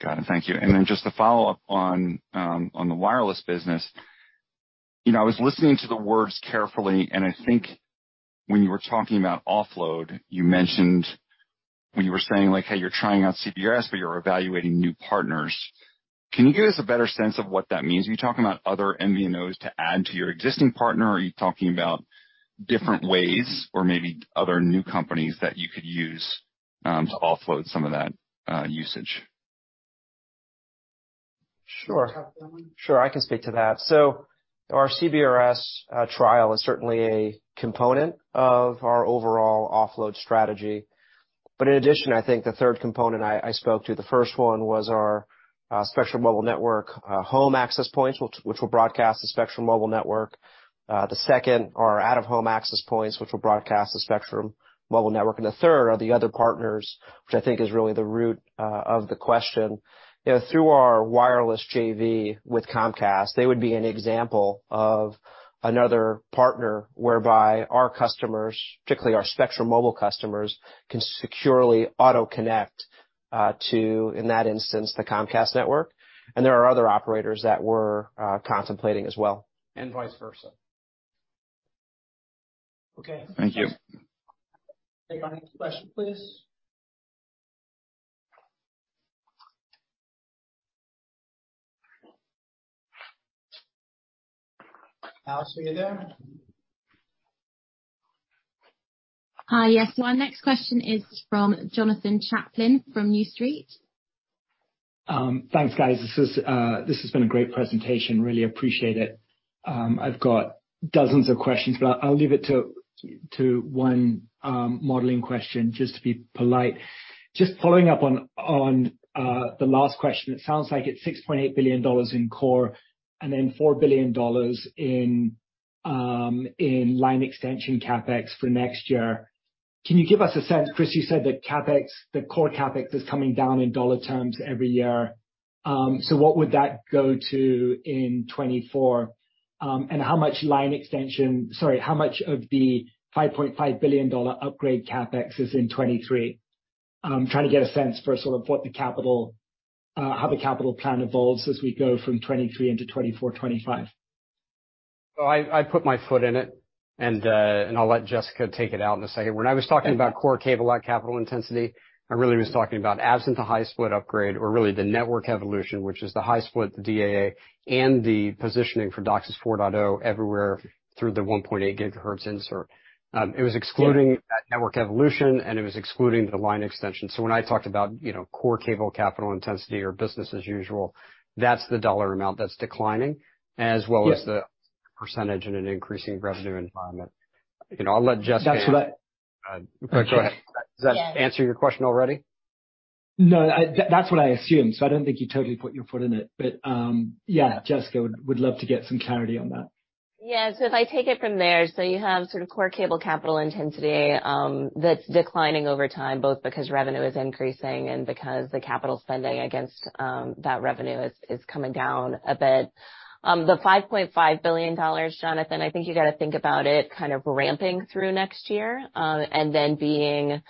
Got it. Thank you. Then just to follow up on the wireless business. You know, I was listening to the words carefully, and I think when you were talking about offload, you mentioned when you were saying, like, how you're trying out CBRS, but you're evaluating new partners. Can you give us a better sense of what that means? Are you talking about other MVNOs to add to your existing partner, or are you talking about different ways or maybe other new companies that you could use, to offload some of that, usage? Sure. Do you want to take that one? Sure, I can speak to that. Our CBRS trial is certainly a component of our overall offload strategy. In addition, I think the third component I spoke to, the first one was our Spectrum Mobile network, home access points, which will broadcast the Spectrum Mobile network. The second are out-of-home access points, which will broadcast the Spectrum Mobile network. The third are the other partners, which I think is really the root of the question. You know, through our wireless JV with Comcast, they would be an example of another partner whereby our customers, particularly our Spectrum Mobile customers, can securely auto-connect to, in that instance, the Comcast network. There are other operators that we're contemplating as well. Vice versa. Okay. Thank you. Next question, please. Alice, are you there? Hi. Yes. Our next question is from Jonathan Chaplin from New Street. Thanks, guys. This has been a great presentation. Really appreciate it. I've got dozens of questions, but I'll leave it to one modeling question just to be polite. Just following up on the last question, it sounds like it's $6.8 billion in core and then $4 billion in line extension CapEx for next year. Can you give us a sense? Chris, you said that CapEx, the core CapEx is coming down in dollar terms every year. What would that go to in 2024? How much of the $5.5 billion upgrade CapEx is in 2023? I'm trying to get a sense for how the capital plan evolves as we go from 2023 into 2024, 2025. I put my foot in it, and I'll let Jessica take it out in a second. When I was talking about core cable-like capital intensity, I really was talking about absent the high split upgrade or really the network evolution, which is the high split, the DAA, and the positioning for DOCSIS 4.0 everywhere through the 1.8 GHz insert. It was excluding that network evolution, and it was excluding the line extension. When I talked about, you know, core cable capital intensity or business as usual, that's the dollar amount that's declining, as well as the percentage and an increasing revenue environment. You know, I'll let Jessica- That's what. Go ahead. Yes. Does that answer your question already? That's what I assumed, so I don't think you totally put your foot in it. Yeah, Jessica would love to get some clarity on that. Yeah. If I take it from there, you have sort of core cable capital intensity, that's declining over time, both because revenue is increasing and because the capital spending against that revenue is coming down a bit. The $5.5 billion, Jonathan, I think you gotta think about it kind of ramping through next year, and then being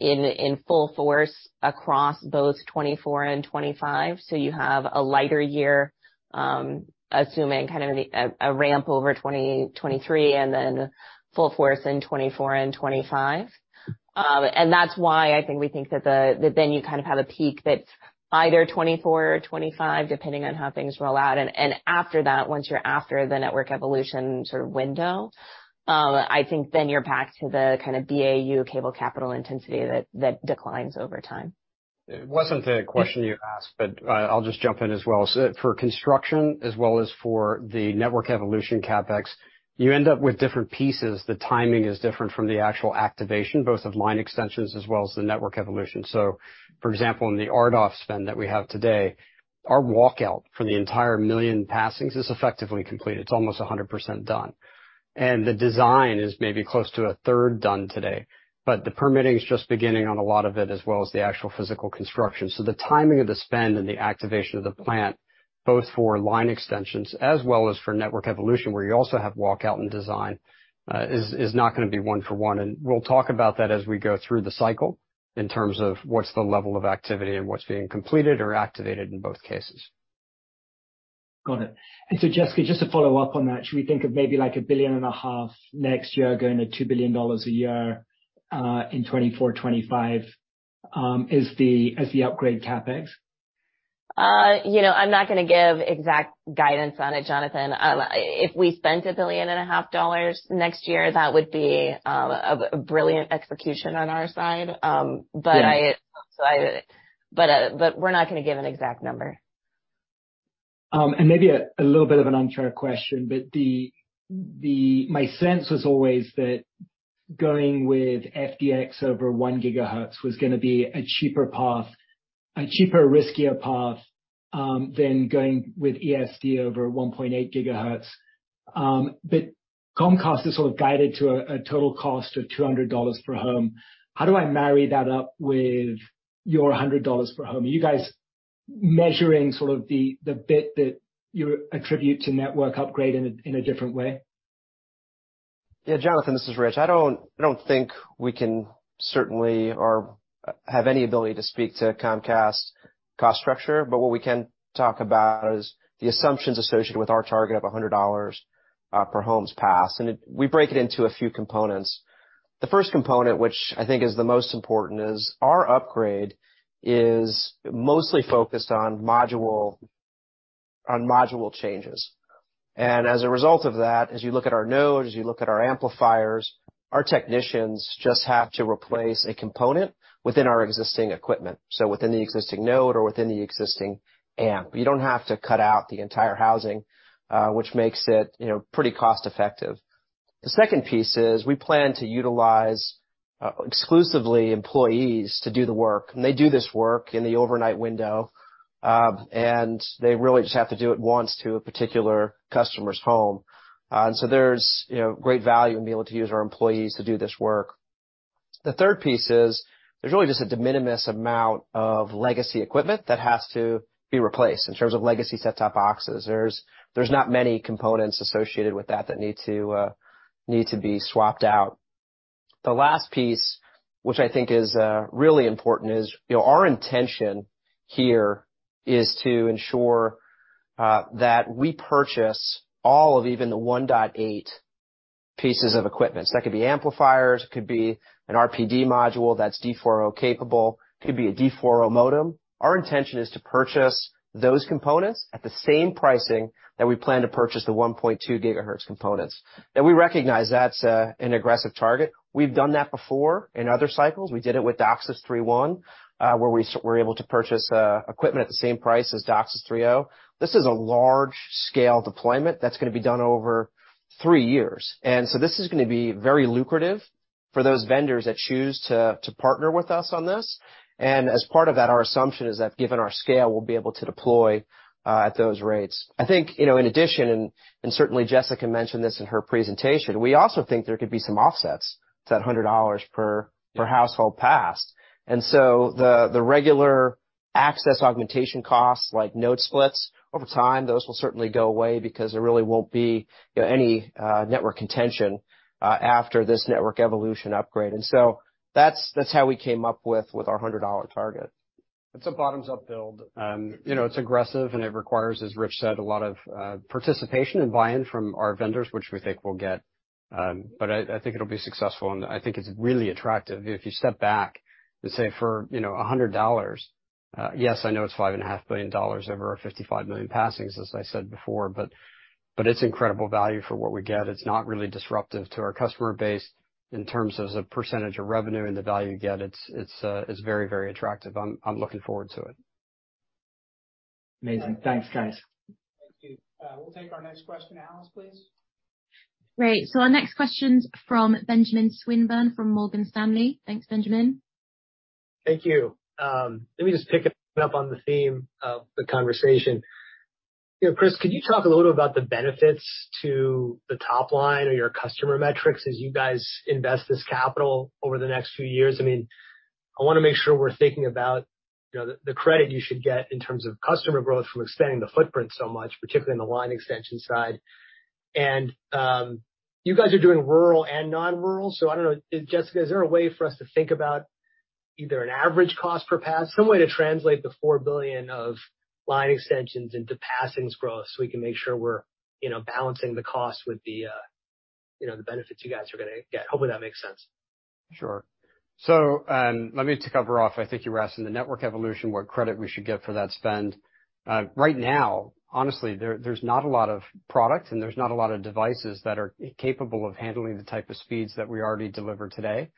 in full force across both 2024 and 2025. You have a lighter year, assuming kind of a ramp over 2023 and then full force in 2024 and 2025. And that's why I think we think that then you kind of have a peak that's either 2024 or 2025, depending on how things roll out. After that, once you're after the network evolution sort of window, I think then you're back to the kind of BAU cable capital intensity that declines over time. It wasn't the question you asked, I'll just jump in as well. For construction as well as for the network evolution CapEx, you end up with different pieces. The timing is different from the actual activation, both of line extensions as well as the network evolution. For example, in the RDOF spend that we have today, our walkout for the entire million passings is effectively complete. It's almost 100% done. The design is maybe close to a third done today, the permitting is just beginning on a lot of it as well as the actual physical construction. The timing of the spend and the activation of the plant, both for line extensions as well as for network evolution, where you also have walkout and design, is not gonna be one for one. We'll talk about that as we go through the cycle in terms of what's the level of activity and what's being completed or activated in both cases. Got it. Jessica, just to follow up on that, should we think of maybe like a billion and a half next year going to $2 billion a year, in 2024, 2025, as the upgrade CapEx? You know, I'm not gonna give exact guidance on it, Jonathan. If we spent a billion and a half dollars next year, that would be a brilliant execution on our side. I Yeah. We're not gonna give an exact number. Maybe a little bit of an uncharted question, but my sense was always that going with FDX over 1 GHz was gonna be a cheaper path, a cheaper, riskier path, than going with ESD over 1.8 GHz. Comcast is sort of guided to a total cost of $200 per home. How do I marry that up with your $100 per home? Are you guys measuring sort of the bit that you attribute to network upgrade in a different way? Yeah. Jonathan, this is Rich. I don't think we can certainly or have any ability to speak to Comcast's cost structure, but what we can talk about is the assumptions associated with our target of $100 per homes passed, we break it into a few components. The first component, which I think is the most important, is our upgrade is mostly focused on module, on module changes. As a result of that, as you look at our nodes, as you look at our amplifiers, our technicians just have to replace a component within our existing equipment, so within the existing node or within the existing amp. You don't have to cut out the entire housing, which makes it, you know, pretty cost-effective. The second piece is we plan to utilize exclusively employees to do the work, and they do this work in the overnight window, and they really just have to do it once to a particular customer's home. There's, you know, great value in being able to use our employees to do this work. The third piece is there's really just a de minimis amount of legacy equipment that has to be replaced in terms of legacy set-top boxes. There's not many components associated with that that need to need to be swapped out. The last piece, which I think is really important, is, you know, our intention here is to ensure that we purchase all of even the 1.8 pieces of equipment. That could be amplifiers, it could be an RPD module that's D40 capable, it could be a D40 modem. Our intention is to purchase those components at the same pricing that we plan to purchase the 1.2 GHz components. We recognize that's an aggressive target. We've done that before in other cycles. We did it with DOCSIS 3.1, where we were able to purchase equipment at the same price as DOCSIS 3.0. This is a large scale deployment that's going to be done over three years. This is going to be very lucrative for those vendors that choose to partner with us on this. As part of that, our assumption is that given our scale, we'll be able to deploy at those rates. I think, you know, in addition, and certainly Jessica mentioned this in her presentation, we also think there could be some offsets to that $100 per household passed. The regular access augmentation costs, like node splits, over time, those will certainly go away because there really won't be, you know, any network contention after this network evolution upgrade. That's how we came up with our $100 target. It's a bottoms-up build. you know, it's aggressive and it requires, as Rich said, a lot of participation and buy-in from our vendors, which we think we'll get. I think it'll be successful, and I think it's really attractive. If you step back and say for, you know, $100, yes, I know it's $5.5 billion over our 55 million passings, as I said before, but it's incredible value for what we get. It's not really disruptive to our customer base in terms of the percentage of revenue and the value you get. It's, it's very, very attractive. I'm looking forward to it. Amazing. Thanks, guys. Thank you. We'll take our next question. Alice, please. Great. Our next question's from Benjamin Swinburne from Morgan Stanley. Thanks, Benjamin. Thank you. Let me just pick up on the theme of the conversation. You know, Chris, could you talk a little about the benefits to the top line or your customer metrics as you guys invest this capital over the next few years? I mean, I wanna make sure we're thinking about, you know, the credit you should get in terms of customer growth from extending the footprint so much, particularly in the line extension side. You guys are doing rural and non-rural, so I don't know. Jessica, is there a way for us to think about either an average cost per pass, some way to translate the $4 billion of line extensions into passings growth, so we can make sure we're, you know, balancing the cost with, you know, the benefits you guys are gonna get? Hopefully that makes sense. Let me to cover off, I think you were asking the network evolution, what credit we should get for that spend. Right now, honestly, there's not a lot of product, and there's not a lot of devices that are capable of handling the type of speeds that we already deliver today.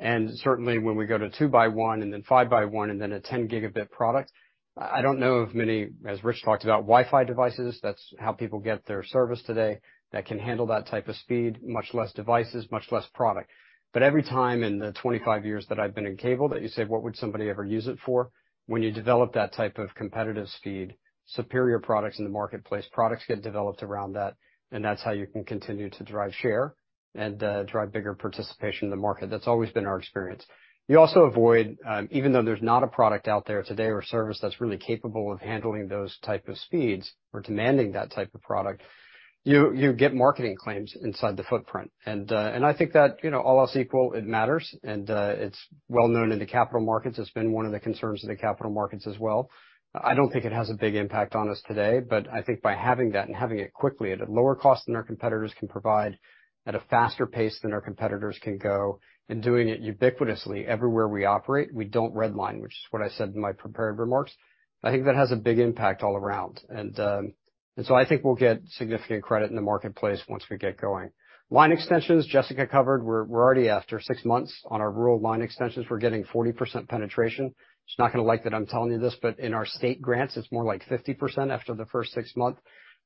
Certainly when we go to 2x1 and then 5x1 and then a 10 Gb product, I don't know of many, as Rich talked about, Wi-Fi devices, that's how people get their service today, that can handle that type of speed, much less devices, much less product. Every time in the 25 years that I've been in cable that you say, what would somebody ever use it for? When you develop that type of competitive speed, superior products in the marketplace, products get developed around that, and that's how you can continue to drive share and drive bigger participation in the market. That's always been our experience. You also avoid, even though there's not a product out there today or service that's really capable of handling those type of speeds or demanding that type of product, you get marketing claims inside the footprint. I think that, you know, all else equal, it matters. It's well known in the capital markets. It's been one of the concerns of the capital markets as well. I don't think it has a big impact on us today, but I think by having that and having it quickly at a lower cost than our competitors can provide, at a faster pace than our competitors can go, and doing it ubiquitously everywhere we operate, we don't red line, which is what I said in my prepared remarks. I think that has a big impact all around. I think we'll get significant credit in the marketplace once we get going. Line extensions, Jessica covered. We're already after six months on our rural line extensions. We're getting 40% penetration. She's not gonna like that I'm telling you this, but in our state grants, it's more like 50% after the first six months.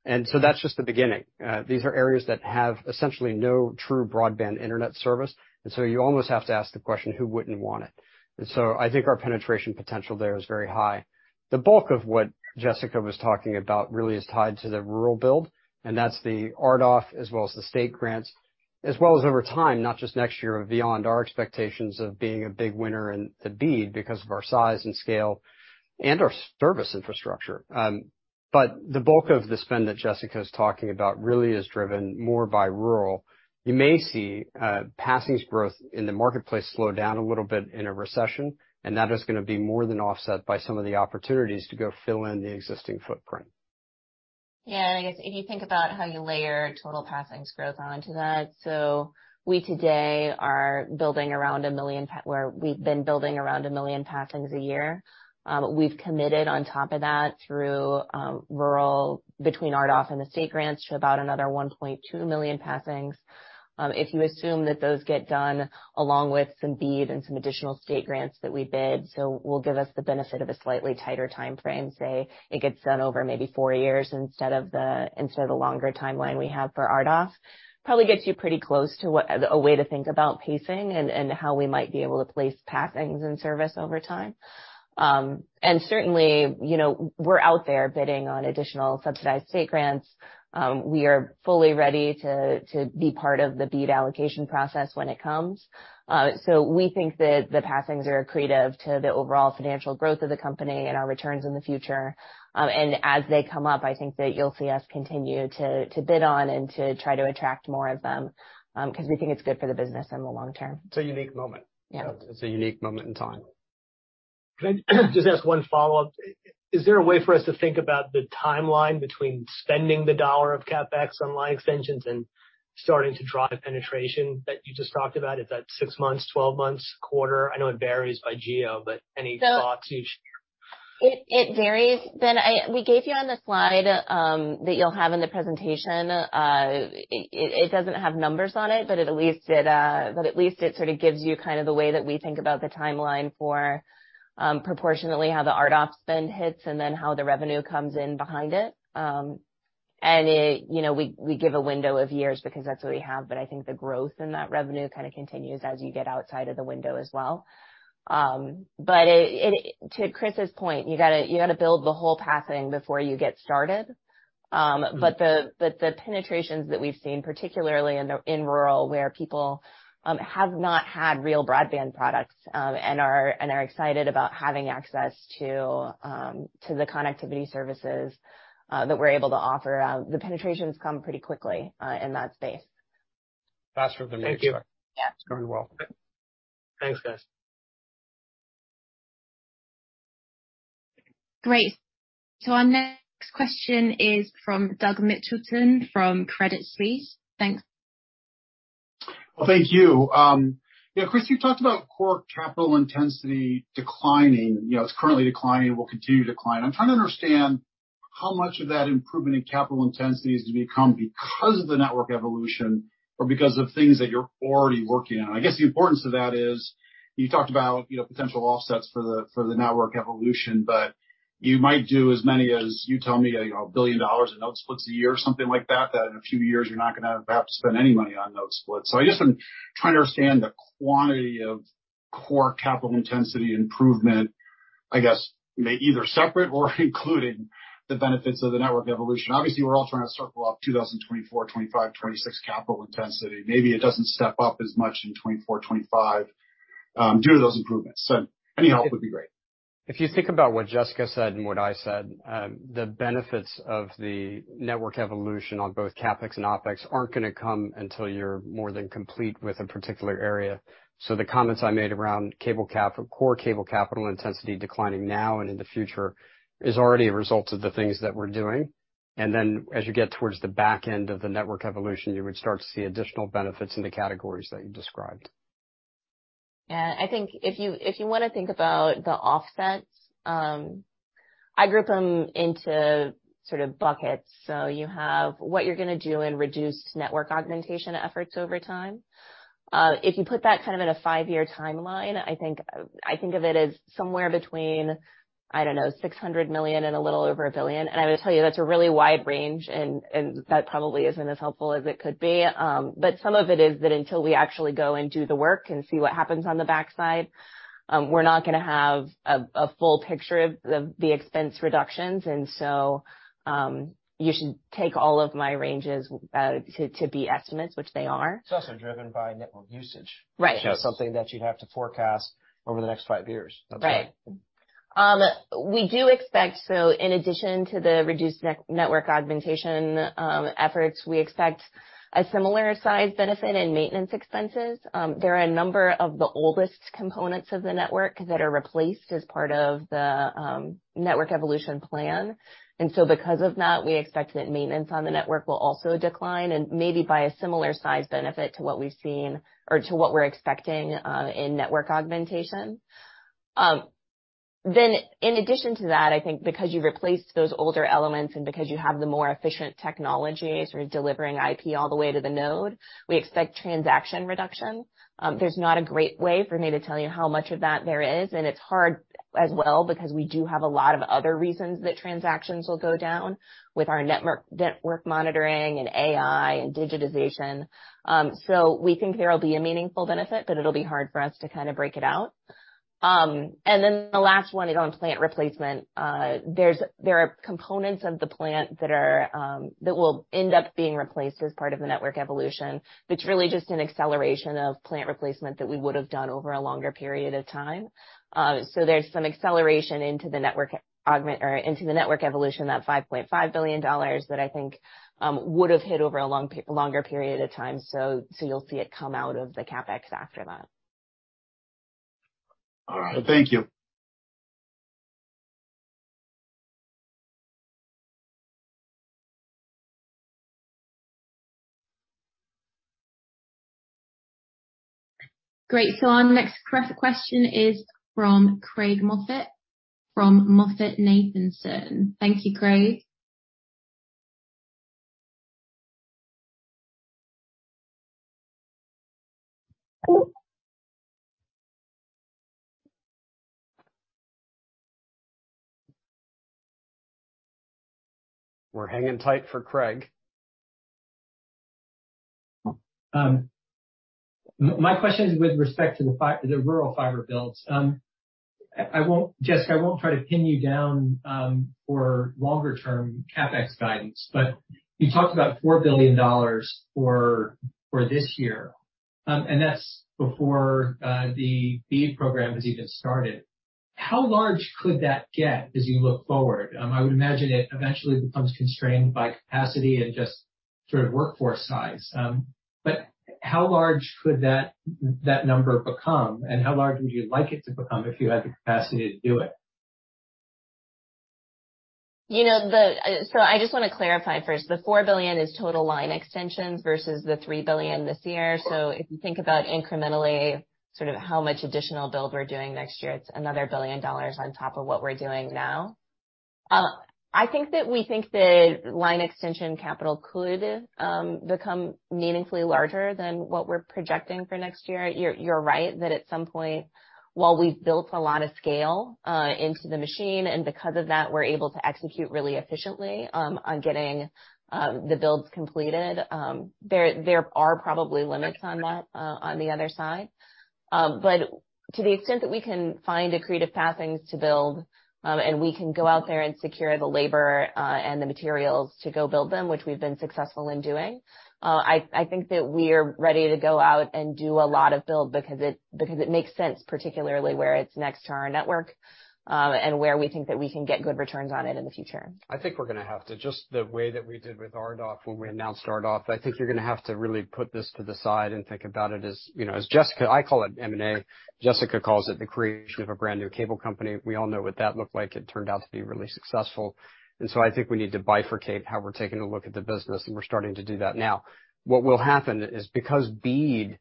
That's just the beginning. These are areas that have essentially no true broadband internet service, you almost have to ask the question, who wouldn't want it? I think our penetration potential there is very high. The bulk of what Jessica was talking about really is tied to the rural build, and that's the RDOF, as well as the state grants, as well as over time, not just next year or beyond, our expectations of being a big winner in the BEAD because of our size and scale and our service infrastructure. The bulk of the spend that Jessica is talking about really is driven more by rural. You may see passings growth in the marketplace slow down a little bit in a recession, that is gonna be more than offset by some of the opportunities to go fill in the existing footprint. Yeah. I guess if you think about how you layer total passings growth onto that, we today are building around 1 million passings a year. We've committed on top of that through rural, between RDOF and the state grants to about another 1.2 million passings. If you assume that those get done along with some BEAD and some additional state grants that we bid, will give us the benefit of a slightly tighter timeframe. Say, it gets done over maybe four years instead of the longer timeline we have for RDOF. Probably gets you pretty close to what a way to think about pacing and how we might be able to place passings in service over time. Certainly, you know, we're out there bidding on additional subsidized state grants. We are fully ready to be part of the BEAD allocation process when it comes. We think that the passings are accretive to the overall financial growth of the company and our returns in the future. As they come up, I think that you'll see us continue to bid on and to try to attract more of them, 'cause we think it's good for the business in the long term. It's a unique moment. Yeah. It's a unique moment in time. Can I just ask 1 follow-up? Is there a way for us to think about the timeline between spending the dollar of CapEx on line extensions and starting to drive penetration that you just talked about? If that' six months, 12 months, quarter? I know it varies by geo, but any thoughts you'd share? It varies. Ben, we gave you on the slide that you'll have in the presentation, it doesn't have numbers on it, but at least it, but at least it sort of gives you kind of the way that we think about the timeline for proportionately how the RDOF spend hits and then how the revenue comes in behind it. It, you know, we give a window of years because that's what we have, but I think the growth in that revenue kind of continues as you get outside of the window as well. To Chris's point, you gotta build the whole passing before you get started. The penetrations that we've seen, particularly in the, in rural, where people have not had real broadband products, and are excited about having access to the connectivity services that we're able to offer. The penetration's come pretty quickly in that space. Faster than we expect. Thank you. Yeah. You're very welcome. Thanks, guys. Great. Our next question is from Doug Mitchelson from Credit Suisse. Thanks. Well, thank you. Yeah, Chris, you talked about core capital intensity declining. You know, it's currently declining and will continue to decline. I'm trying to understand how much of that improvement in capital intensity is to become because of the network evolution or because of things that you're already working on? I guess the importance of that is you talked about, you know, potential offsets for the, for the network evolution, you might do as many as you tell me, you know, $1 billion in node splits a year or something like that in a few years you're not gonna have to spend any money on node splits. I just am trying to understand the quantity of core capital intensity improvement, I guess, may either separate or including the benefits of the network evolution. Obviously, we're all trying to circle up 2024, 2025, 2026 capital intensity. Maybe it doesn't step up as much in 2024, 2025, due to those improvements. Any help would be great. If you think about what Jessica said and what I said, the benefits of the network evolution on both CapEx and OpEx aren't going to come until you're more than complete with a particular area. The comments I made around core cable capital intensity declining now and in the future is already a result of the things that we're doing. As you get towards the back end of the network evolution, you would start to see additional benefits in the categories that you described. Yeah, I think if you want to think about the offsets, I group them into sort of buckets. You have what you're going to do in reduced network augmentation efforts over time. If you put that kind of in a five-year timeline, I think of it as somewhere between, I don't know, $600 million and a little over $1 billion. I would tell you that's a really wide range, and that probably isn't as helpful as it could be. Some of it is that until we actually go and do the work and see what happens on the backside, we're not gonna have a full picture of the expense reductions. You should take all of my ranges to be estimates, which they are. It's also driven by network usage. Right. Which is something that you'd have to forecast over the next five years. Right. We do expect, in addition to the reduced network augmentation efforts, we expect a similar size benefit in maintenance expenses. There are a number of the oldest components of the network that are replaced as part of the network evolution plan. Because of that, we expect that maintenance on the network will also decline and maybe by a similar size benefit to what we've seen or to what we're expecting in network augmentation. In addition to that, I think because you replaced those older elements and because you have the more efficient technology sort of delivering IP all the way to the node, we expect transaction reduction. There's not a great way for me to tell you how much of that there is, and it's hard as well because we do have a lot of other reasons that transactions will go down with our network monitoring and AI and digitization. We think there will be a meaningful benefit, but it'll be hard for us to kind of break it out. The last one is on plant replacement. There are components of the plant that are, that will end up being replaced as part of the network evolution. It's really just an acceleration of plant replacement that we would have done over a longer period of time. There's some acceleration into the network evolution, that $5.5 billion that I think would have hit over a longer period of time. You'll see it come out of the CapEx after that. All right. Thank you. Great. Our next question is from Craig Moffett, from MoffettNathanson. Thank you, Craig. We're hanging tight for Craig. My question is with respect to the rural fiber builds. Jessica, I won't try to pin you down for longer-term CapEx guidance, but you talked about $4 billion for this year, and that's before the BEAD program has even started. How large could that get as you look forward? I would imagine it eventually becomes constrained by capacity and just sort of workforce size. But how large could that number become, and how large would you like it to become if you had the capacity to do it? You know, I just want to clarify first, the $4 billion is total line extensions versus the $3 billion this year. If you think about incrementally sort of how much additional build we're doing next year, it's another $1 billion on top of what we're doing now. I think that we think the line extension capital could become meaningfully larger than what we're projecting for next year. You're right that at some point, while we've built a lot of scale into the machine, and because of that, we're able to execute really efficiently on getting the builds completed, there are probably limits on that on the other side. To the extent that we can find accretive pathings to build, and we can go out there and secure the labor and the materials to go build them, which we've been successful in doing, I think that we're ready to go out and do a lot of build because it makes sense, particularly where it's next to our network, and where we think that we can get good returns on it in the future. I think we're gonna have to just the way that we did with RDOF when we announced RDOF, I think you're gonna have to really put this to the side and think about it as, you know, as Jessica. I call it M&A. Jessica calls it the creation of a brand new cable company. We all know what that looked like. It turned out to be really successful. I think we need to bifurcate how we're taking a look at the business, and we're starting to do that now. What will happen is because BEAD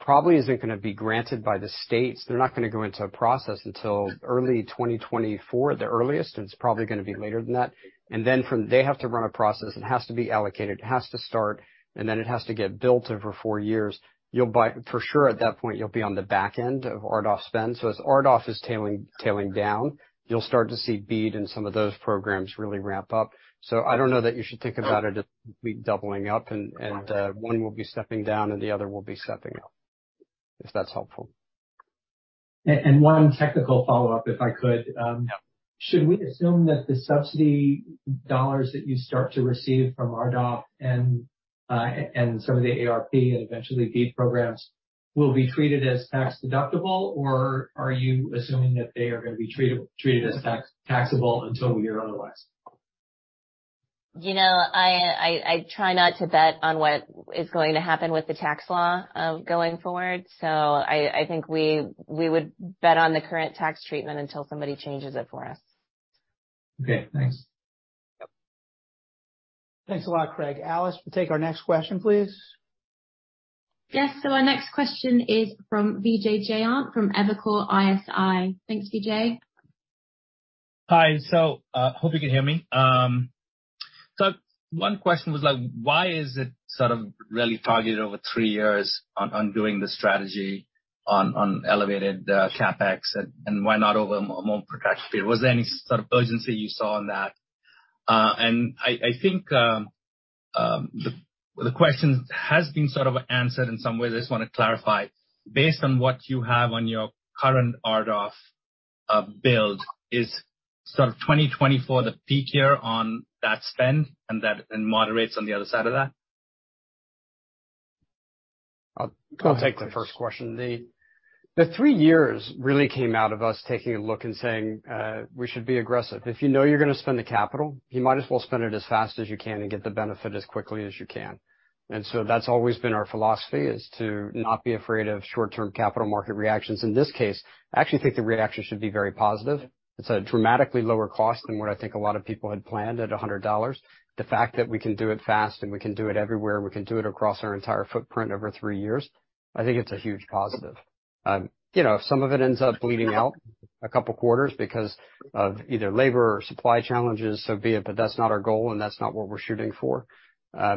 probably isn't gonna be granted by the states, they're not gonna go into a process until early 2024 at the earliest, and it's probably gonna be later than that. They have to run a process. It has to be allocated. It has to start, and then it has to get built over four years. For sure, at that point, you'll be on the back end of RDOF spend. As RDOF is tailing down, you'll start to see BEAD and some of those programs really ramp up. I don't know that you should think about it as we doubling up and one will be stepping down and the other will be stepping up, if that's helpful. One technical follow-up, if I could. Should we assume that the subsidy dollars that you start to receive from RDOF and some of the ARP and eventually BEAD programs will be treated as tax-deductible or are you assuming that they are gonna be treated as taxable until we hear otherwise? You know, I try not to bet on what is going to happen with the tax law going forward. I think we would bet on the current tax treatment until somebody changes it for us. Okay, thanks. Yep. Thanks a lot, Craig. Alice, we'll take our next question, please. Yes. Our next question is from Vijay Jayant. From Evercore ISI. Thank you, Jay. Hi. Hope you can hear me. One question was like, why is it sort of really targeted over three years on doing the strategy on elevated CapEx and why not over a more protracted period? Was there any sort of urgency you saw on that? I think the question has been sort of answered in some ways. I just wanna clarify. Based on what you have on your current RDOF build, is sort of 2024 the peak year on that spend and moderates on the other side of that? I'll take the first question. The three years really came out of us taking a look and saying, we should be aggressive. If you know you're gonna spend the capital, you might as well spend it as fast as you can and get the benefit as quickly as you can. That's always been our philosophy is to not be afraid of short-term capital market reactions. In this case, I actually think the reaction should be very positive. It's a dramatically lower cost than what I think a lot of people had planned at $100. The fact that we can do it fast and we can do it everywhere, we can do it across our entire footprint over three years, I think it's a huge positive. You know, if some of it ends up bleeding out a couple quarters because of either labor or supply challenges, so be it, but that's not our goal and that's not what we're shooting for. I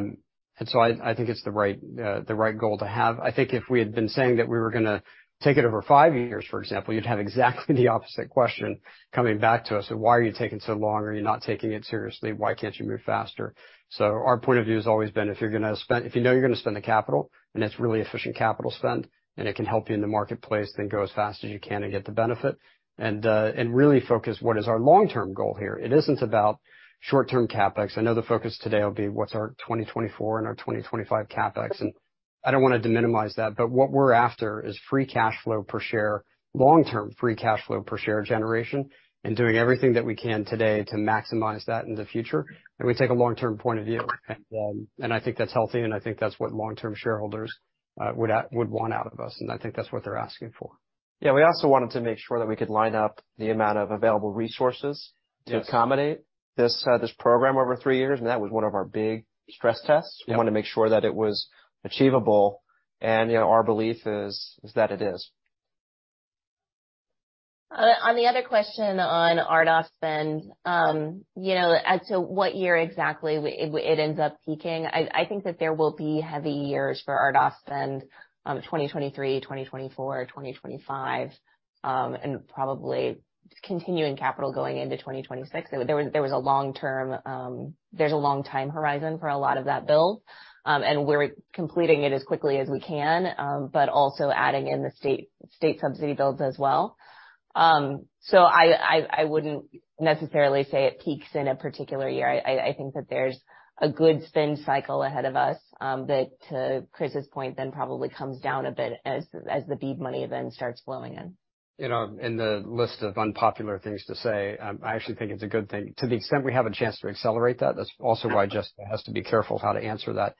think it's the right, the right goal to have. I think if we had been saying that we were gonna take it over five years, for example, you'd have exactly the opposite question coming back to us of why are you taking so long? Are you not taking it seriously? Why can't you move faster? Our point of view has always been, if you're gonna spend if you know you're gonna spend the capital, and it's really efficient capital spend, and it can help you in the marketplace, go as fast as you can to get the benefit and really focus what is our long-term goal here. It isn't about short-term CapEx. I know the focus today will be what's our 2024 and our 2025 CapEx, and I don't wanna de-minimize that, but what we're after is free cash flow per share, long-term free cash flow per share generation, and doing everything that we can today to maximize that in the future, and we take a long-term point of view. I think that's healthy, and I think that's what long-term shareholders would want out of us, and I think that's what they're asking for. Yeah. We also wanted to make sure that we could line up the amount of available resources- Yes. to accommodate this program over three years, and that was one of our big stress tests. Yeah. We want to make sure that it was achievable and, you know, our belief is that it is. On the other question on RDOF spend, you know, as to what year exactly it ends up peaking, I think that there will be heavy years for RDOF spend, 2023, 2024, 2025, and probably continuing capital going into 2026. There was a long term, there's a long time horizon for a lot of that build, and we're completing it as quickly as we can, but also adding in the state subsidy builds as well. I wouldn't necessarily say it peaks in a particular year. I think that there's a good spend cycle ahead of us, that to Chris' point then probably comes down a bit as the BEAD money then starts flowing in. You know, in the list of unpopular things to say, I actually think it's a good thing. To the extent we have a chance to accelerate that's also why Justin has to be careful how to answer that.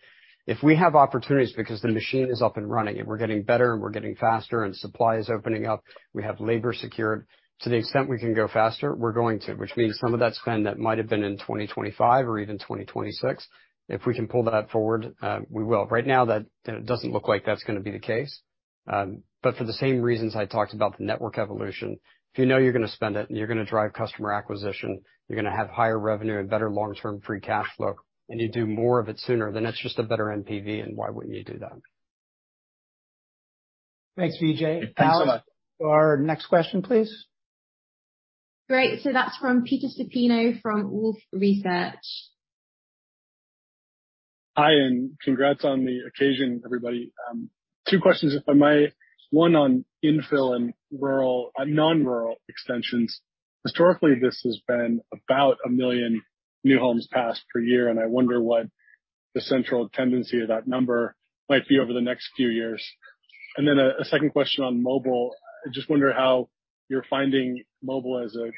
If we have opportunities because the machine is up and running, and we're getting better, and we're getting faster, and supply is opening up, we have labor secured. To the extent we can go faster, we're going to. Which means some of that spend that might've been in 2025 or even 2026, if we can pull that forward, we will. Right now, that, you know, doesn't look like that's gonna be the case. For the same reasons I talked about the network evolution, if you know you're gonna spend it, and you're gonna drive customer acquisition, you're gonna have higher revenue and better long-term free cash flow, and you do more of it sooner, then that's just a better NPV, and why wouldn't you do that? Thanks, Vijay. Thanks so much. Alice, our next question, please. Great. That's from Peter Supino from Wolfe Research. Hi, and congrats on the occasion, everybody. Two questions if I may. One on infill and rural non-rural extensions. Historically, this has been about 1 million new homes passed per year, and I wonder what the central tendency of that number might be over the next few years. Then a second question on mobile. I just wonder how you're finding mobile as a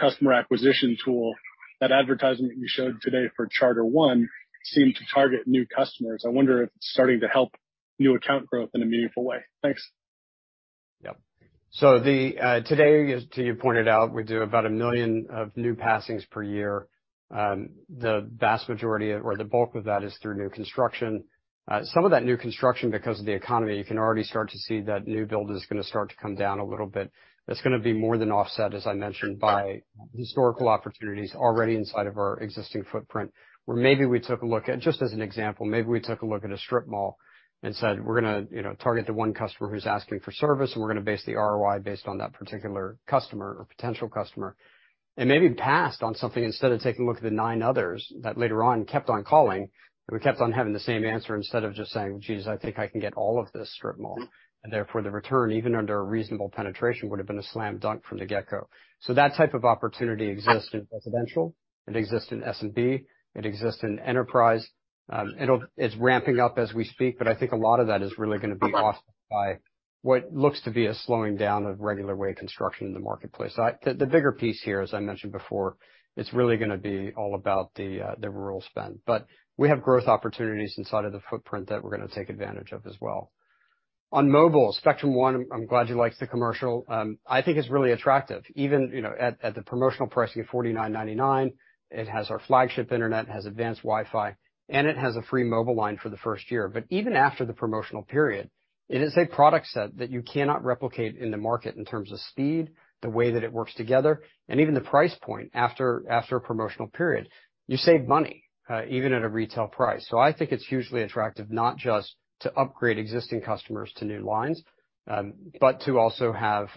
customer acquisition tool. That advertisement you showed today for Spectrum One seemed to target new customers. I wonder if it's starting to help new account growth in a meaningful way. Thanks. Yep. Today, as to you pointed out, we do about 1 million of new passings per year. The vast majority or the bulk of that is through new construction. Some of that new construction, because of the economy, you can already start to see that new build is gonna start to come down a little bit. That's gonna be more than offset, as I mentioned, by historical opportunities already inside of our existing footprint, where maybe we took a look at, just as an example, maybe we took a look at a strip mall and said, "We're gonna, you know, target the one customer who's asking for service, and we're gonna base the ROI based on that particular customer or potential customer," and maybe passed on something instead of taking a look at the nine others that later on kept on calling, and we kept on having the same answer instead of just saying, "Geez, I think I can get all of this strip mall." Therefore, the return, even under a reasonable penetration, would've been a slam dunk from the get-go. That type of opportunity exists in residential, it exists in SMB, it exists in enterprise. It's ramping up as we speak, but I think a lot of that is really gonna be offset by what looks to be a slowing down of regular wave construction in the marketplace. The bigger piece here, as I mentioned before, it's really gonna be all about the rural spend. We have growth opportunities inside of the footprint that we're gonna take advantage of as well. On mobile, Spectrum One, I'm glad he likes the commercial. I think it's really attractive. Even, you know, at the promotional pricing of $49.99, it has our flagship internet, it has Advanced WiFi, and it has a free mobile line for the first year. Even after the promotional period, it is a product set that you cannot replicate in the market in terms of speed, the way that it works together, and even the price point after a promotional period. You save money even at a retail price. I think it's hugely attractive, not just to upgrade existing customers to new lines, but to also have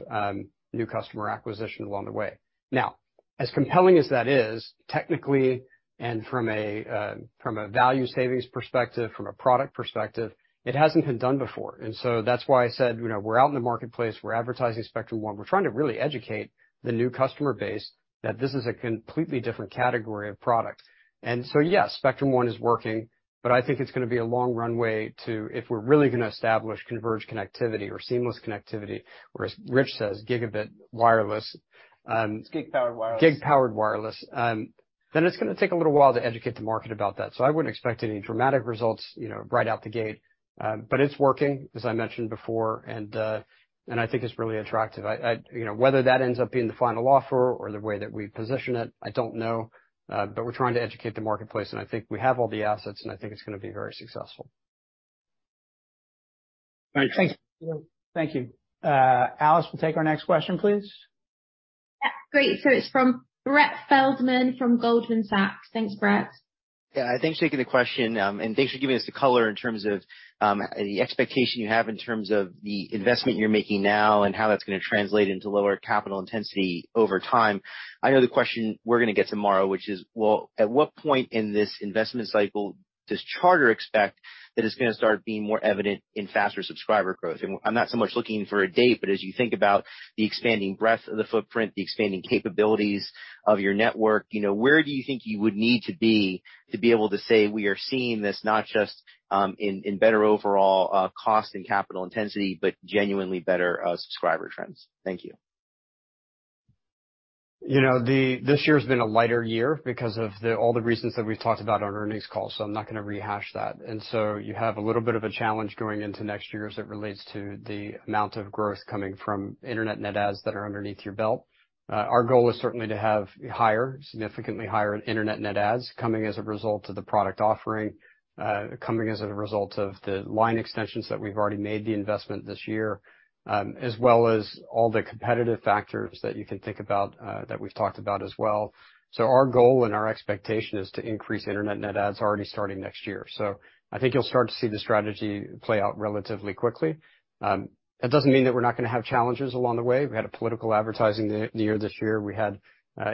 new customer acquisition along the way. Now, as compelling as that is, technically and from a value savings perspective, from a product perspective, it hasn't been done before. That's why I said, you know, we're out in the marketplace, we're advertising Spectrum One. We're trying to really educate the new customer base that this is a completely different category of product. Yes, Spectrum One is working, but I think it's gonna be a long runway to if we're really gonna establish converged connectivity or seamless connectivity, or as Rich says, gigabit wireless. It's Gig-Powered Wireless. Gig-Powered Wireless. It's going to take a little while to educate the market about that. I wouldn't expect any dramatic results, you know, right out the gate. It's working, as I mentioned before, and I think it's really attractive. You know, whether that ends up being the final offer or the way that we position it, I don't know, we're trying to educate the marketplace, and I think we have all the assets, and I think it's going to be very successful. Thanks. Thank you. Alice, we'll take our next question, please. Yeah. Great. It's from Brett Feldman from Goldman Sachs. Thanks, Brett. Yeah. Thanks for taking the question, thanks for giving us the color in terms of the expectation you have in terms of the investment you're making now and how that's gonna translate into lower capital intensity over time. I know the question we're gonna get tomorrow, which is, well, at what point in this investment cycle does Charter expect that it's gonna start being more evident in faster subscriber growth? I'm not so much looking for a date, but as you think about the expanding breadth of the footprint, the expanding capabilities of your network, you know, where do you think you would need to be to be able to say, "We are seeing this not just in better overall cost and capital intensity, but genuinely better subscriber trends?" Thank you. You know, this year has been a lighter year because of all the reasons that we've talked about on earnings calls. I'm not gonna rehash that. You have a little bit of a challenge going into next year as it relates to the amount of growth coming from Internet net adds that are underneath your belt. Our goal is certainly to have higher, significantly higher Internet net adds coming as a result of the product offering, coming as a result of the line extensions that we've already made the investment this year, as well as all the competitive factors that you can think about, that we've talked about as well. Our goal and our expectation is to increase Internet net adds already starting next year. I think you'll start to see the strategy play out relatively quickly. That doesn't mean that we're not gonna have challenges along the way. We had a political advertising year this year. We had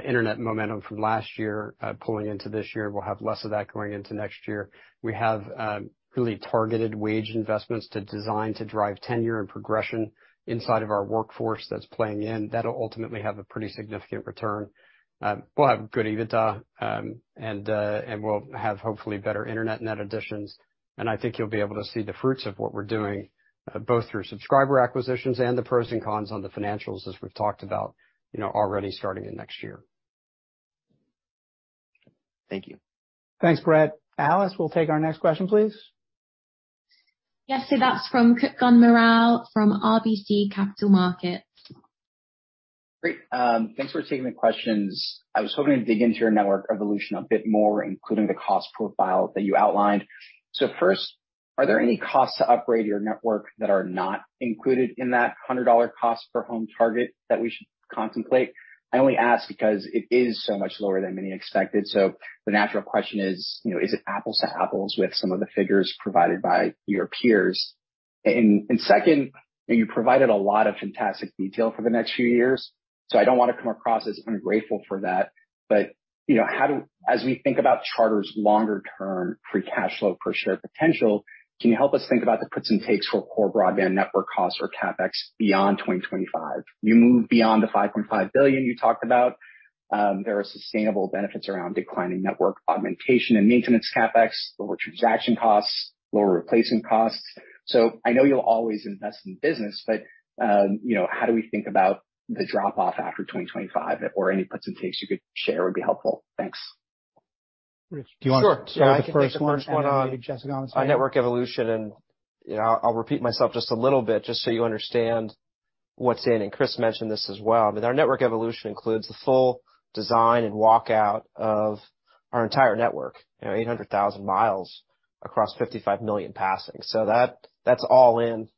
internet momentum from last year, pulling into this year. We'll have less of that going into next year. We have really targeted wage investments to design to drive tenure and progression inside of our workforce that's playing in. That'll ultimately have a pretty significant return. We'll have good EBITDA, and we'll have hopefully better internet net additions. I think you'll be able to see the fruits of what we're doing, both through subscriber acquisitions and the pros and cons on the financials as we've talked about, you know, already starting in next year. Thank you. Thanks, Brett. Alice, we'll take our next question, please. Yes. That's from Kutgun Maral from RBC Capital Markets. Great. Thanks for taking the questions. I was hoping to dig into your network evolution a bit more, including the cost profile that you outlined. First, are there any costs to upgrade your network that are not included in that $100 cost per home target that we should contemplate? I only ask because it is so much lower than many expected. The natural question is, you know, is it apples to apples with some of the figures provided by your peers? Second, you provided a lot of fantastic detail for the next few years, so I don't want to come across as ungrateful for that. You know, As we think about Charter's longer term free cash flow per share potential, can you help us think about the puts and takes for core broadband network costs or CapEx beyond 2025? You move beyond the $5.5 billion you talked about. There are sustainable benefits around declining network augmentation and maintenance CapEx, lower transaction costs, lower replacement costs. I know you'll always invest in business, but, you know, how do we think about the drop-off after 2025 or any puts and takes you could share would be helpful. Thanks. Rich, do you want to take the first one? Sure. I can take the first one on network evolution, and, you know, I'll repeat myself just a little bit just so you understand what's in, and Chris mentioned this as well. Our network evolution includes the full design and walkout of our entire network, you know, 800,000 miles across 55 million passings. That's all in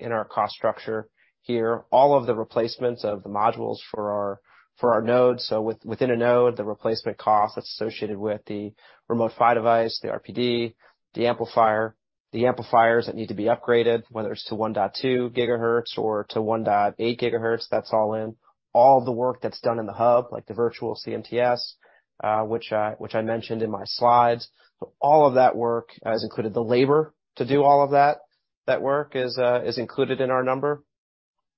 in our cost structure here. All of the replacements of the modules for our nodes. Within a node, the replacement cost that's associated with the Remote PHY Device, the RPD, the amplifier, amplifiers that need to be upgraded, whether it's to 1.2 GHz or to 1.8 GHz, that's all in. All the work that's done in the hub, like the virtual CMTS, which I mentioned in my slides. All of that work is included. The labor to do all of that work is included in our number.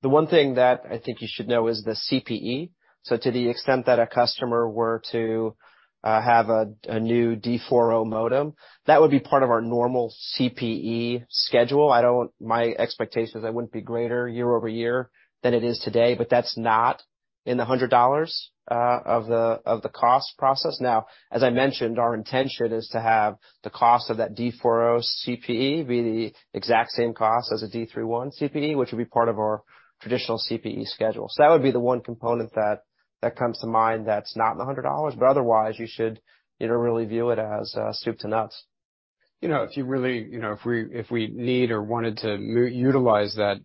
The one thing that I think you should know is the CPE. To the extent that a customer were to have a new D4.0 modem, that would be part of our normal CPE schedule. My expectation is that wouldn't be greater year-over-year than it is today, but that's not in the $100 of the cost process. As I mentioned, our intention is to have the cost of that D4.0 CPE be the exact same cost as a D31 CPE, which would be part of our traditional CPE schedule. That would be the one component that comes to mind that's not in the $100. Otherwise, you should, you know, really view it as soup to nuts. You know, if you really, you know, if we need or wanted to utilize that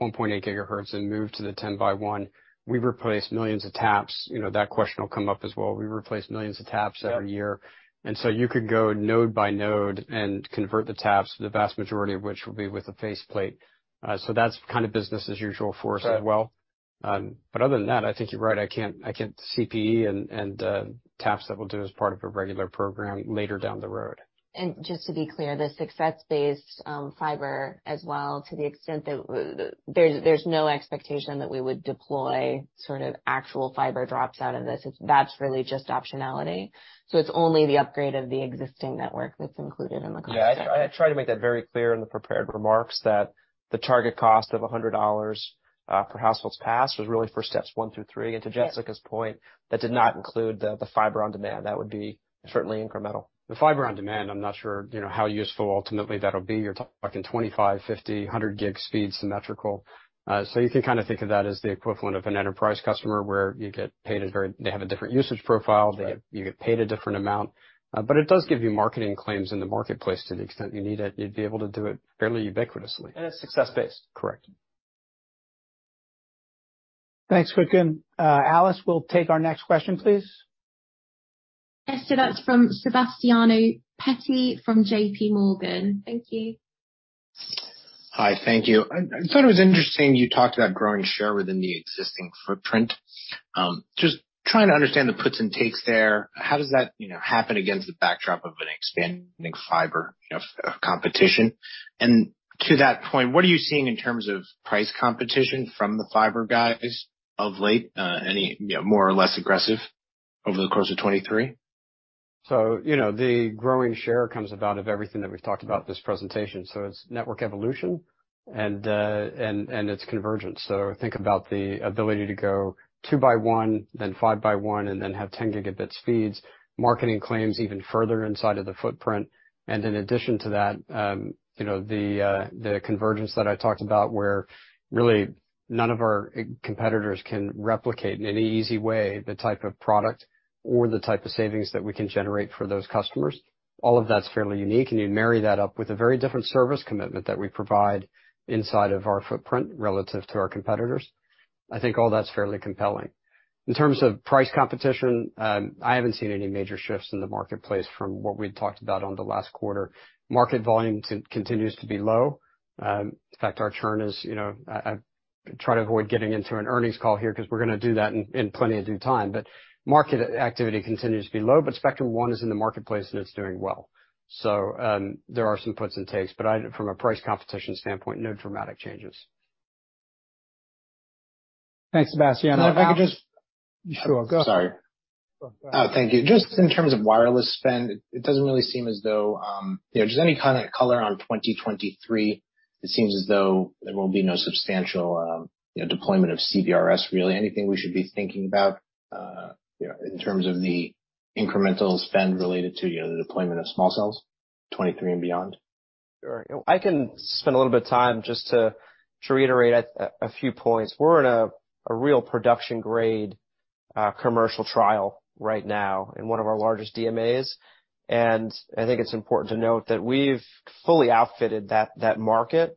1.8 GHz and move to the 10 by 1, we replace millions of taps. You know, that question will come up as well. We replace millions of taps every year. Yep. You could go node by node and convert the taps, the vast majority of which will be with a faceplate. That's kind of business as usual for us as well. Right. Other than that, I think you're right. I can't CPE and taps that we'll do as part of a regular program later down the road. Just to be clear, the success-based fiber as well, to the extent that there's no expectation that we would deploy sort of actual fiber drops out of this. That's really just optionality. It's only the upgrade of the existing network that's included in the cost. Yeah. I tried to make that very clear in the prepared remarks that the target cost of $100 per households passed was really for steps one to three. To Jessica's point, that did not include the fiber on demand. That would be certainly incremental. The fiber on demand, I'm not sure, you know, how useful ultimately that'll be. You're talking 25, 50, 100 gig speed symmetrical. So you can kind of think of that as the equivalent of an enterprise customer where you get paid they have a different usage profile. Right. You get paid a different amount. It does give you marketing claims in the marketplace to the extent you need it. You'd be able to do it fairly ubiquitously. It's success based. Correct. Thanks Kutgun. Alice, we'll take our next question, please. Yes, that's from Sebastiano Petti from JPMorgan. Thank you. Hi. Thank you. I thought it was interesting you talked about growing share within the existing footprint. Just trying to understand the puts and takes there. How does that, you know, happen against the backdrop of an expanding fiber, you know, competition? To that point, what are you seeing in terms of price competition from the fiber guys of late? Any, you know, more or less aggressive over the course of 2023? You know, the growing share comes about of everything that we've talked about this presentation. It's network evolution and it's convergence. Think about the ability to go two by one, then five by one, and then have 10 Gb speeds, marketing claims even further inside of the footprint. In addition to that, you know, the convergence that I talked about where really none of our competitors can replicate in any easy way the type of product or the type of savings that we can generate for those customers. All of that's fairly unique, and you marry that up with a very different service commitment that we provide inside of our footprint relative to our competitors. I think all that's fairly compelling. In terms of price competition, I haven't seen any major shifts in the marketplace from what we'd talked about on the last quarter. Market volume continues to be low. In fact, our churn is, you know, I try to avoid getting into an earnings call here because we're gonna do that in plenty of due time. Market activity continues to be low, but Spectrum One is in the marketplace, and it's doing well. There are some puts and takes, but from a price competition standpoint, no dramatic changes. Thanks, Sebastiano. If I could just... Sure. Go. Sorry. Go ahead. Thank you. Just in terms of wireless spend, it doesn't really seem as though, you know, just any kind of color on 2023. It seems as though there will be no substantial, you know, deployment of CBRS really. Anything we should be thinking about, you know, in terms of the incremental spend related to, you know, the deployment of small cells, 2023 and beyond? Sure. I can spend a little bit of time just to reiterate a few points. We're in a real production grade, commercial trial right now in one of our largest DMAs. I think it's important to note that we've fully outfitted that market,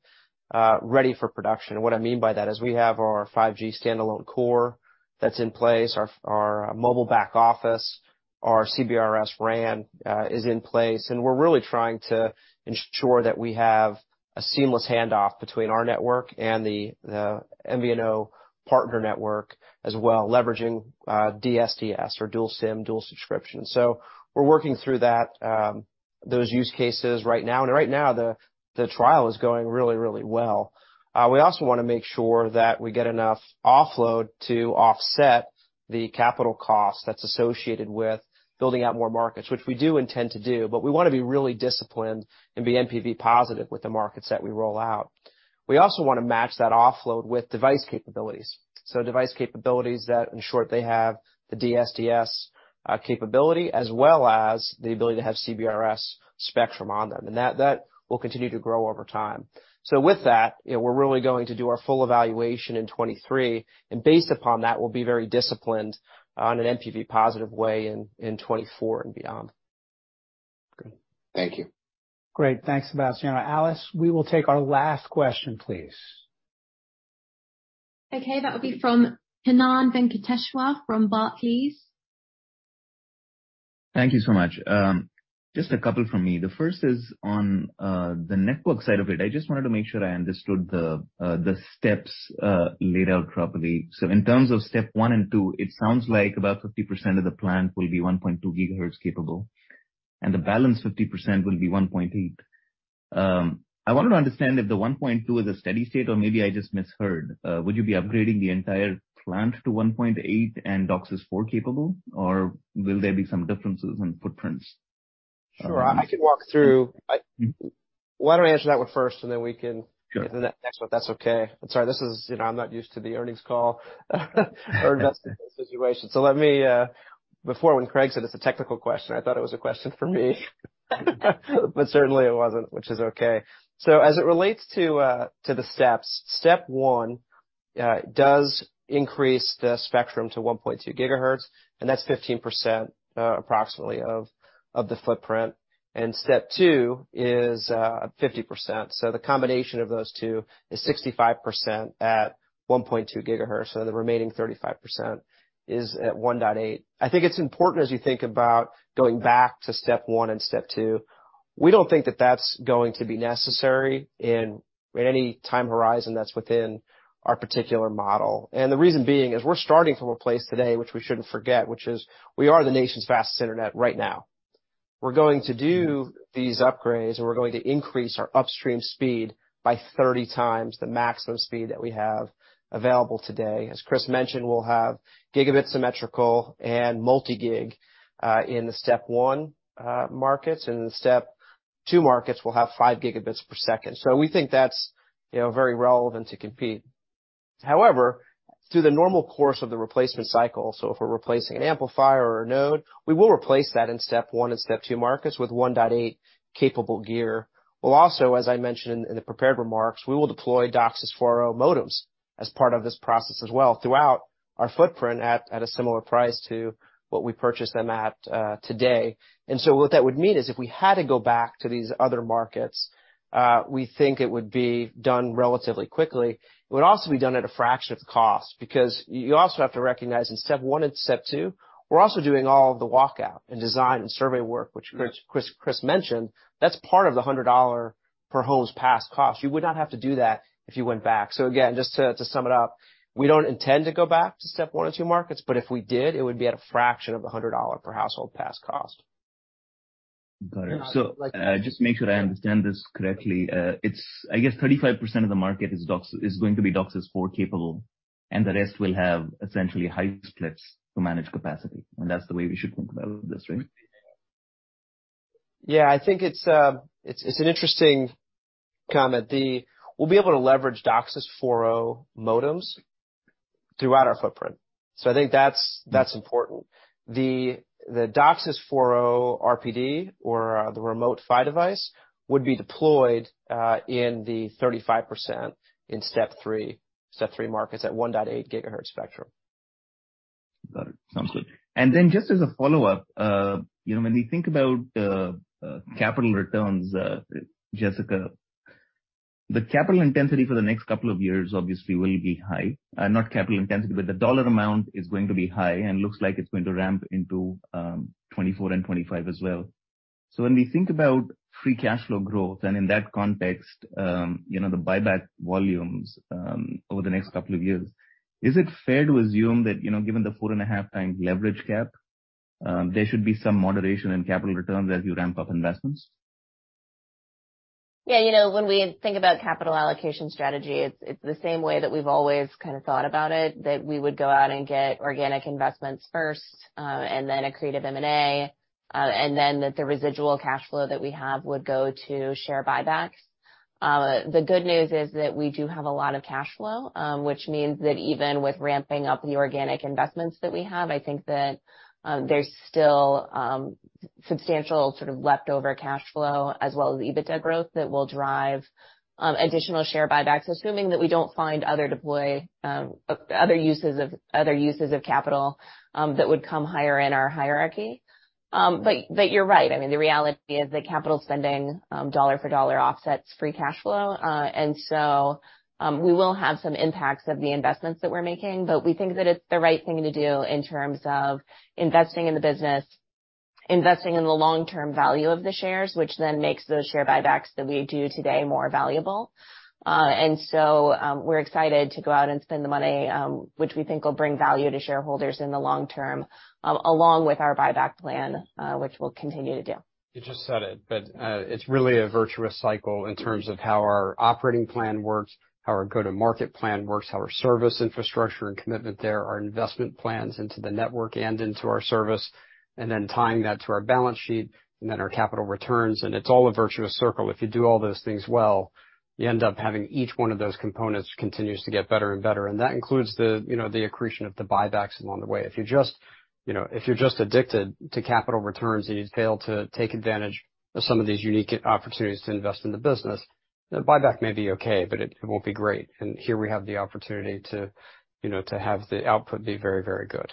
ready for production. What I mean by that is we have our 5G standalone core that's in place, our mobile back office, our CBRS RAN, is in place, and we're really trying to ensure that we have a seamless handoff between our network and the MVNO partner network as well, leveraging DSDS or Dual SIM Dual Standby. We're working through that, those use cases right now. Right now the trial is going really, really well. We also wanna make sure that we get enough offload to offset the capital cost that's associated with building out more markets, which we do intend to do, but we wanna be really disciplined and be NPV positive with the markets that we roll out. We also want to match that offload with device capabilities. Device capabilities that, in short, they have the DSDS capability, as well as the ability to have CBRS spectrum on them, and that will continue to grow over time. With that, you know, we're really going to do our full evaluation in 2023, and based upon that, we'll be very disciplined on an NPV positive way in 2024 and beyond. Great. Thank you. Great. Thanks, Sebastiano. Alice, we will take our last question, please. Okay. That would be from Kannan Venkateshwar from Barclays. Thank you so much. Just a couple from me. The first is on the network side of it. I just wanted to make sure I understood the steps laid out properly. In terms of step one and two, it sounds like about 50% of the plant will be 1.2 GHz capable. The balance 50% will be 1.8. I wanted to understand if the 1.2 is a steady state or maybe I just misheard. Would you be upgrading the entire plant to 1.8 and DOCSIS 4.0 capable, or will there be some differences in footprints? Sure. I can walk through. Why don't I answer that one first, and then we can- Sure. Get to that next one, if that's okay. I'm sorry, you know, I'm not used to the earnings call or investment situation. Let me. Before, when Craig said it's a technical question, I thought it was a question for me. Certainly it wasn't, which is okay. As it relates to the steps, step one does increase the spectrum to 1.2 GHz, and that's 15% approximately of the footprint. Step two is 50%, the combination of those two is 65% at 1.2 GHz. The remaining 35% is at 1.8. I think it's important as you think about going back to step one and step two, we don't think that that's going to be necessary in any time horizon that's within our particular model. The reason being is we're starting from a place today, which we shouldn't forget, which is we are the nation's fastest internet right now. We're going to do these upgrades, and we're going to increase our upstream speed by 30 times the maximum speed that we have available today. As Chris mentioned, we'll have gigabit symmetrical and multi-gig in the step one markets. In the step two markets, we'll have 5 Gb per second. We think that's, you know, very relevant to compete. However, through the normal course of the replacement cycle, so if we're replacing an amplifier or a node, we will replace that in step ontwo and step two markets with 1.8 capable gear. We'll also, as I mentioned in the prepared remarks, we will deploy DOCSIS 4.0 modems as part of this process as well throughout our footprint at a similar price to what we purchased them today. What that would mean is if we had to go back to these other markets, we think it would be done relatively quickly. It would also be done at a fraction of the cost because you also have to recognize in step one and step two, we're also doing all the walkout and design and survey work, which Chris mentioned. That's part of the $100 per homes passed cost. You would not have to do that if you went back. Again, just to sum it up, we don't intend to go back to step one and two markets, but if we did, it would be at a fraction of the $100 per household pass cost. Got it. Just to make sure I understand this correctly, it's I guess 35% of the market is going to be DOCSIS 4.0 Capable, and the rest will have essentially high splits to manage capacity, and that's the way we should think about this, right? Yeah. I think it's an interesting comment. We'll be able to leverage DOCSIS 4.0 modems throughout our footprint. I think that's important. The DOCSIS 4.0 RPD or the remote PHY device would be deployed in the 35% in step three markets at 1.8 GHz spectrum. Got it. Sounds good. Just as a follow-up, you know, when we think about capital returns, Jessica, the capital intensity for the next couple of years obviously will be high. Not capital intensity, but the dollar amount is going to be high and looks like it's going to ramp into 2024 and 2025 as well. When we think about free cash flow growth and in that context, you know, the buyback volumes over the next couple of years, is it fair to assume that, you know, given the 4.5x leverage cap, there should be some moderation in capital returns as you ramp up investments? Yeah. You know, when we think about capital allocation strategy, it's the same way that we've always kind of thought about it, that we would go out and get organic investments first, and then accretive M&A, and then that the residual cash flow that we have would go to share buybacks. The good news is that we do have a lot of cash flow, which means that even with ramping up the organic investments that we have, I think that, there's still, substantial sort of leftover cash flow as well as EBITDA growth that will drive additional share buybacks, assuming that we don't find other uses of capital, that would come higher in our hierarchy. You're right. I mean, the reality is that capital spending, dollar for dollar offsets free cash flow. We will have some impacts of the investments that we're making, but we think that it's the right thing to do in terms of investing in the business, investing in the long-term value of the shares, which then makes those share buybacks that we do today more valuable. We're excited to go out and spend the money, which we think will bring value to shareholders in the long term, along with our buyback plan, which we'll continue to do. You just said it, but it's really a virtuous cycle in terms of how our operating plan works, how our go-to-market plan works, how our service infrastructure and commitment there, our investment plans into the network and into our service, and then tying that to our balance sheet and then our capital returns. It's all a virtuous circle. If you do all those things well, you end up having each one of those components continues to get better and better, and that includes the, you know, the accretion of the buybacks along the way. If you just, you know, if you're just addicted to capital returns and you fail to take advantage of some of these unique opportunities to invest in the business, the buyback may be okay, but it won't be great. Here we have the opportunity to, you know, to have the output be very, very good.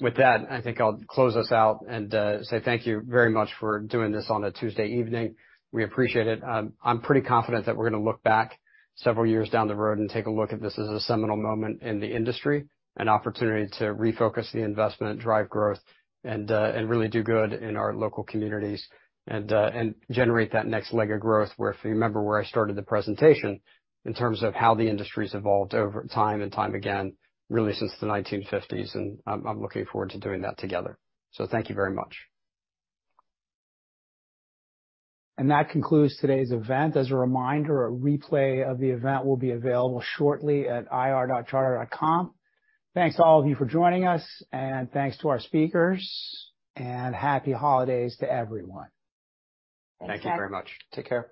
With that, I think I'll close us out and say thank you very much for doing this on a Tuesday evening. We appreciate it. I'm pretty confident that we're gonna look back several years down the road and take a look at this as a seminal moment in the industry, an opportunity to refocus the investment, drive growth, and really do good in our local communities and generate that next leg of growth, where if you remember where I started the presentation, in terms of how the industry's evolved over time and time again, really since the 1950s, and I'm looking forward to doing that together. Thank you very much. That concludes today's event. As a reminder, a replay of the event will be available shortly at ir.charter.com. Thanks to all of you for joining us, and thanks to our speakers, and happy holidays to everyone. Thanks, guys. Thank you very much. Take care.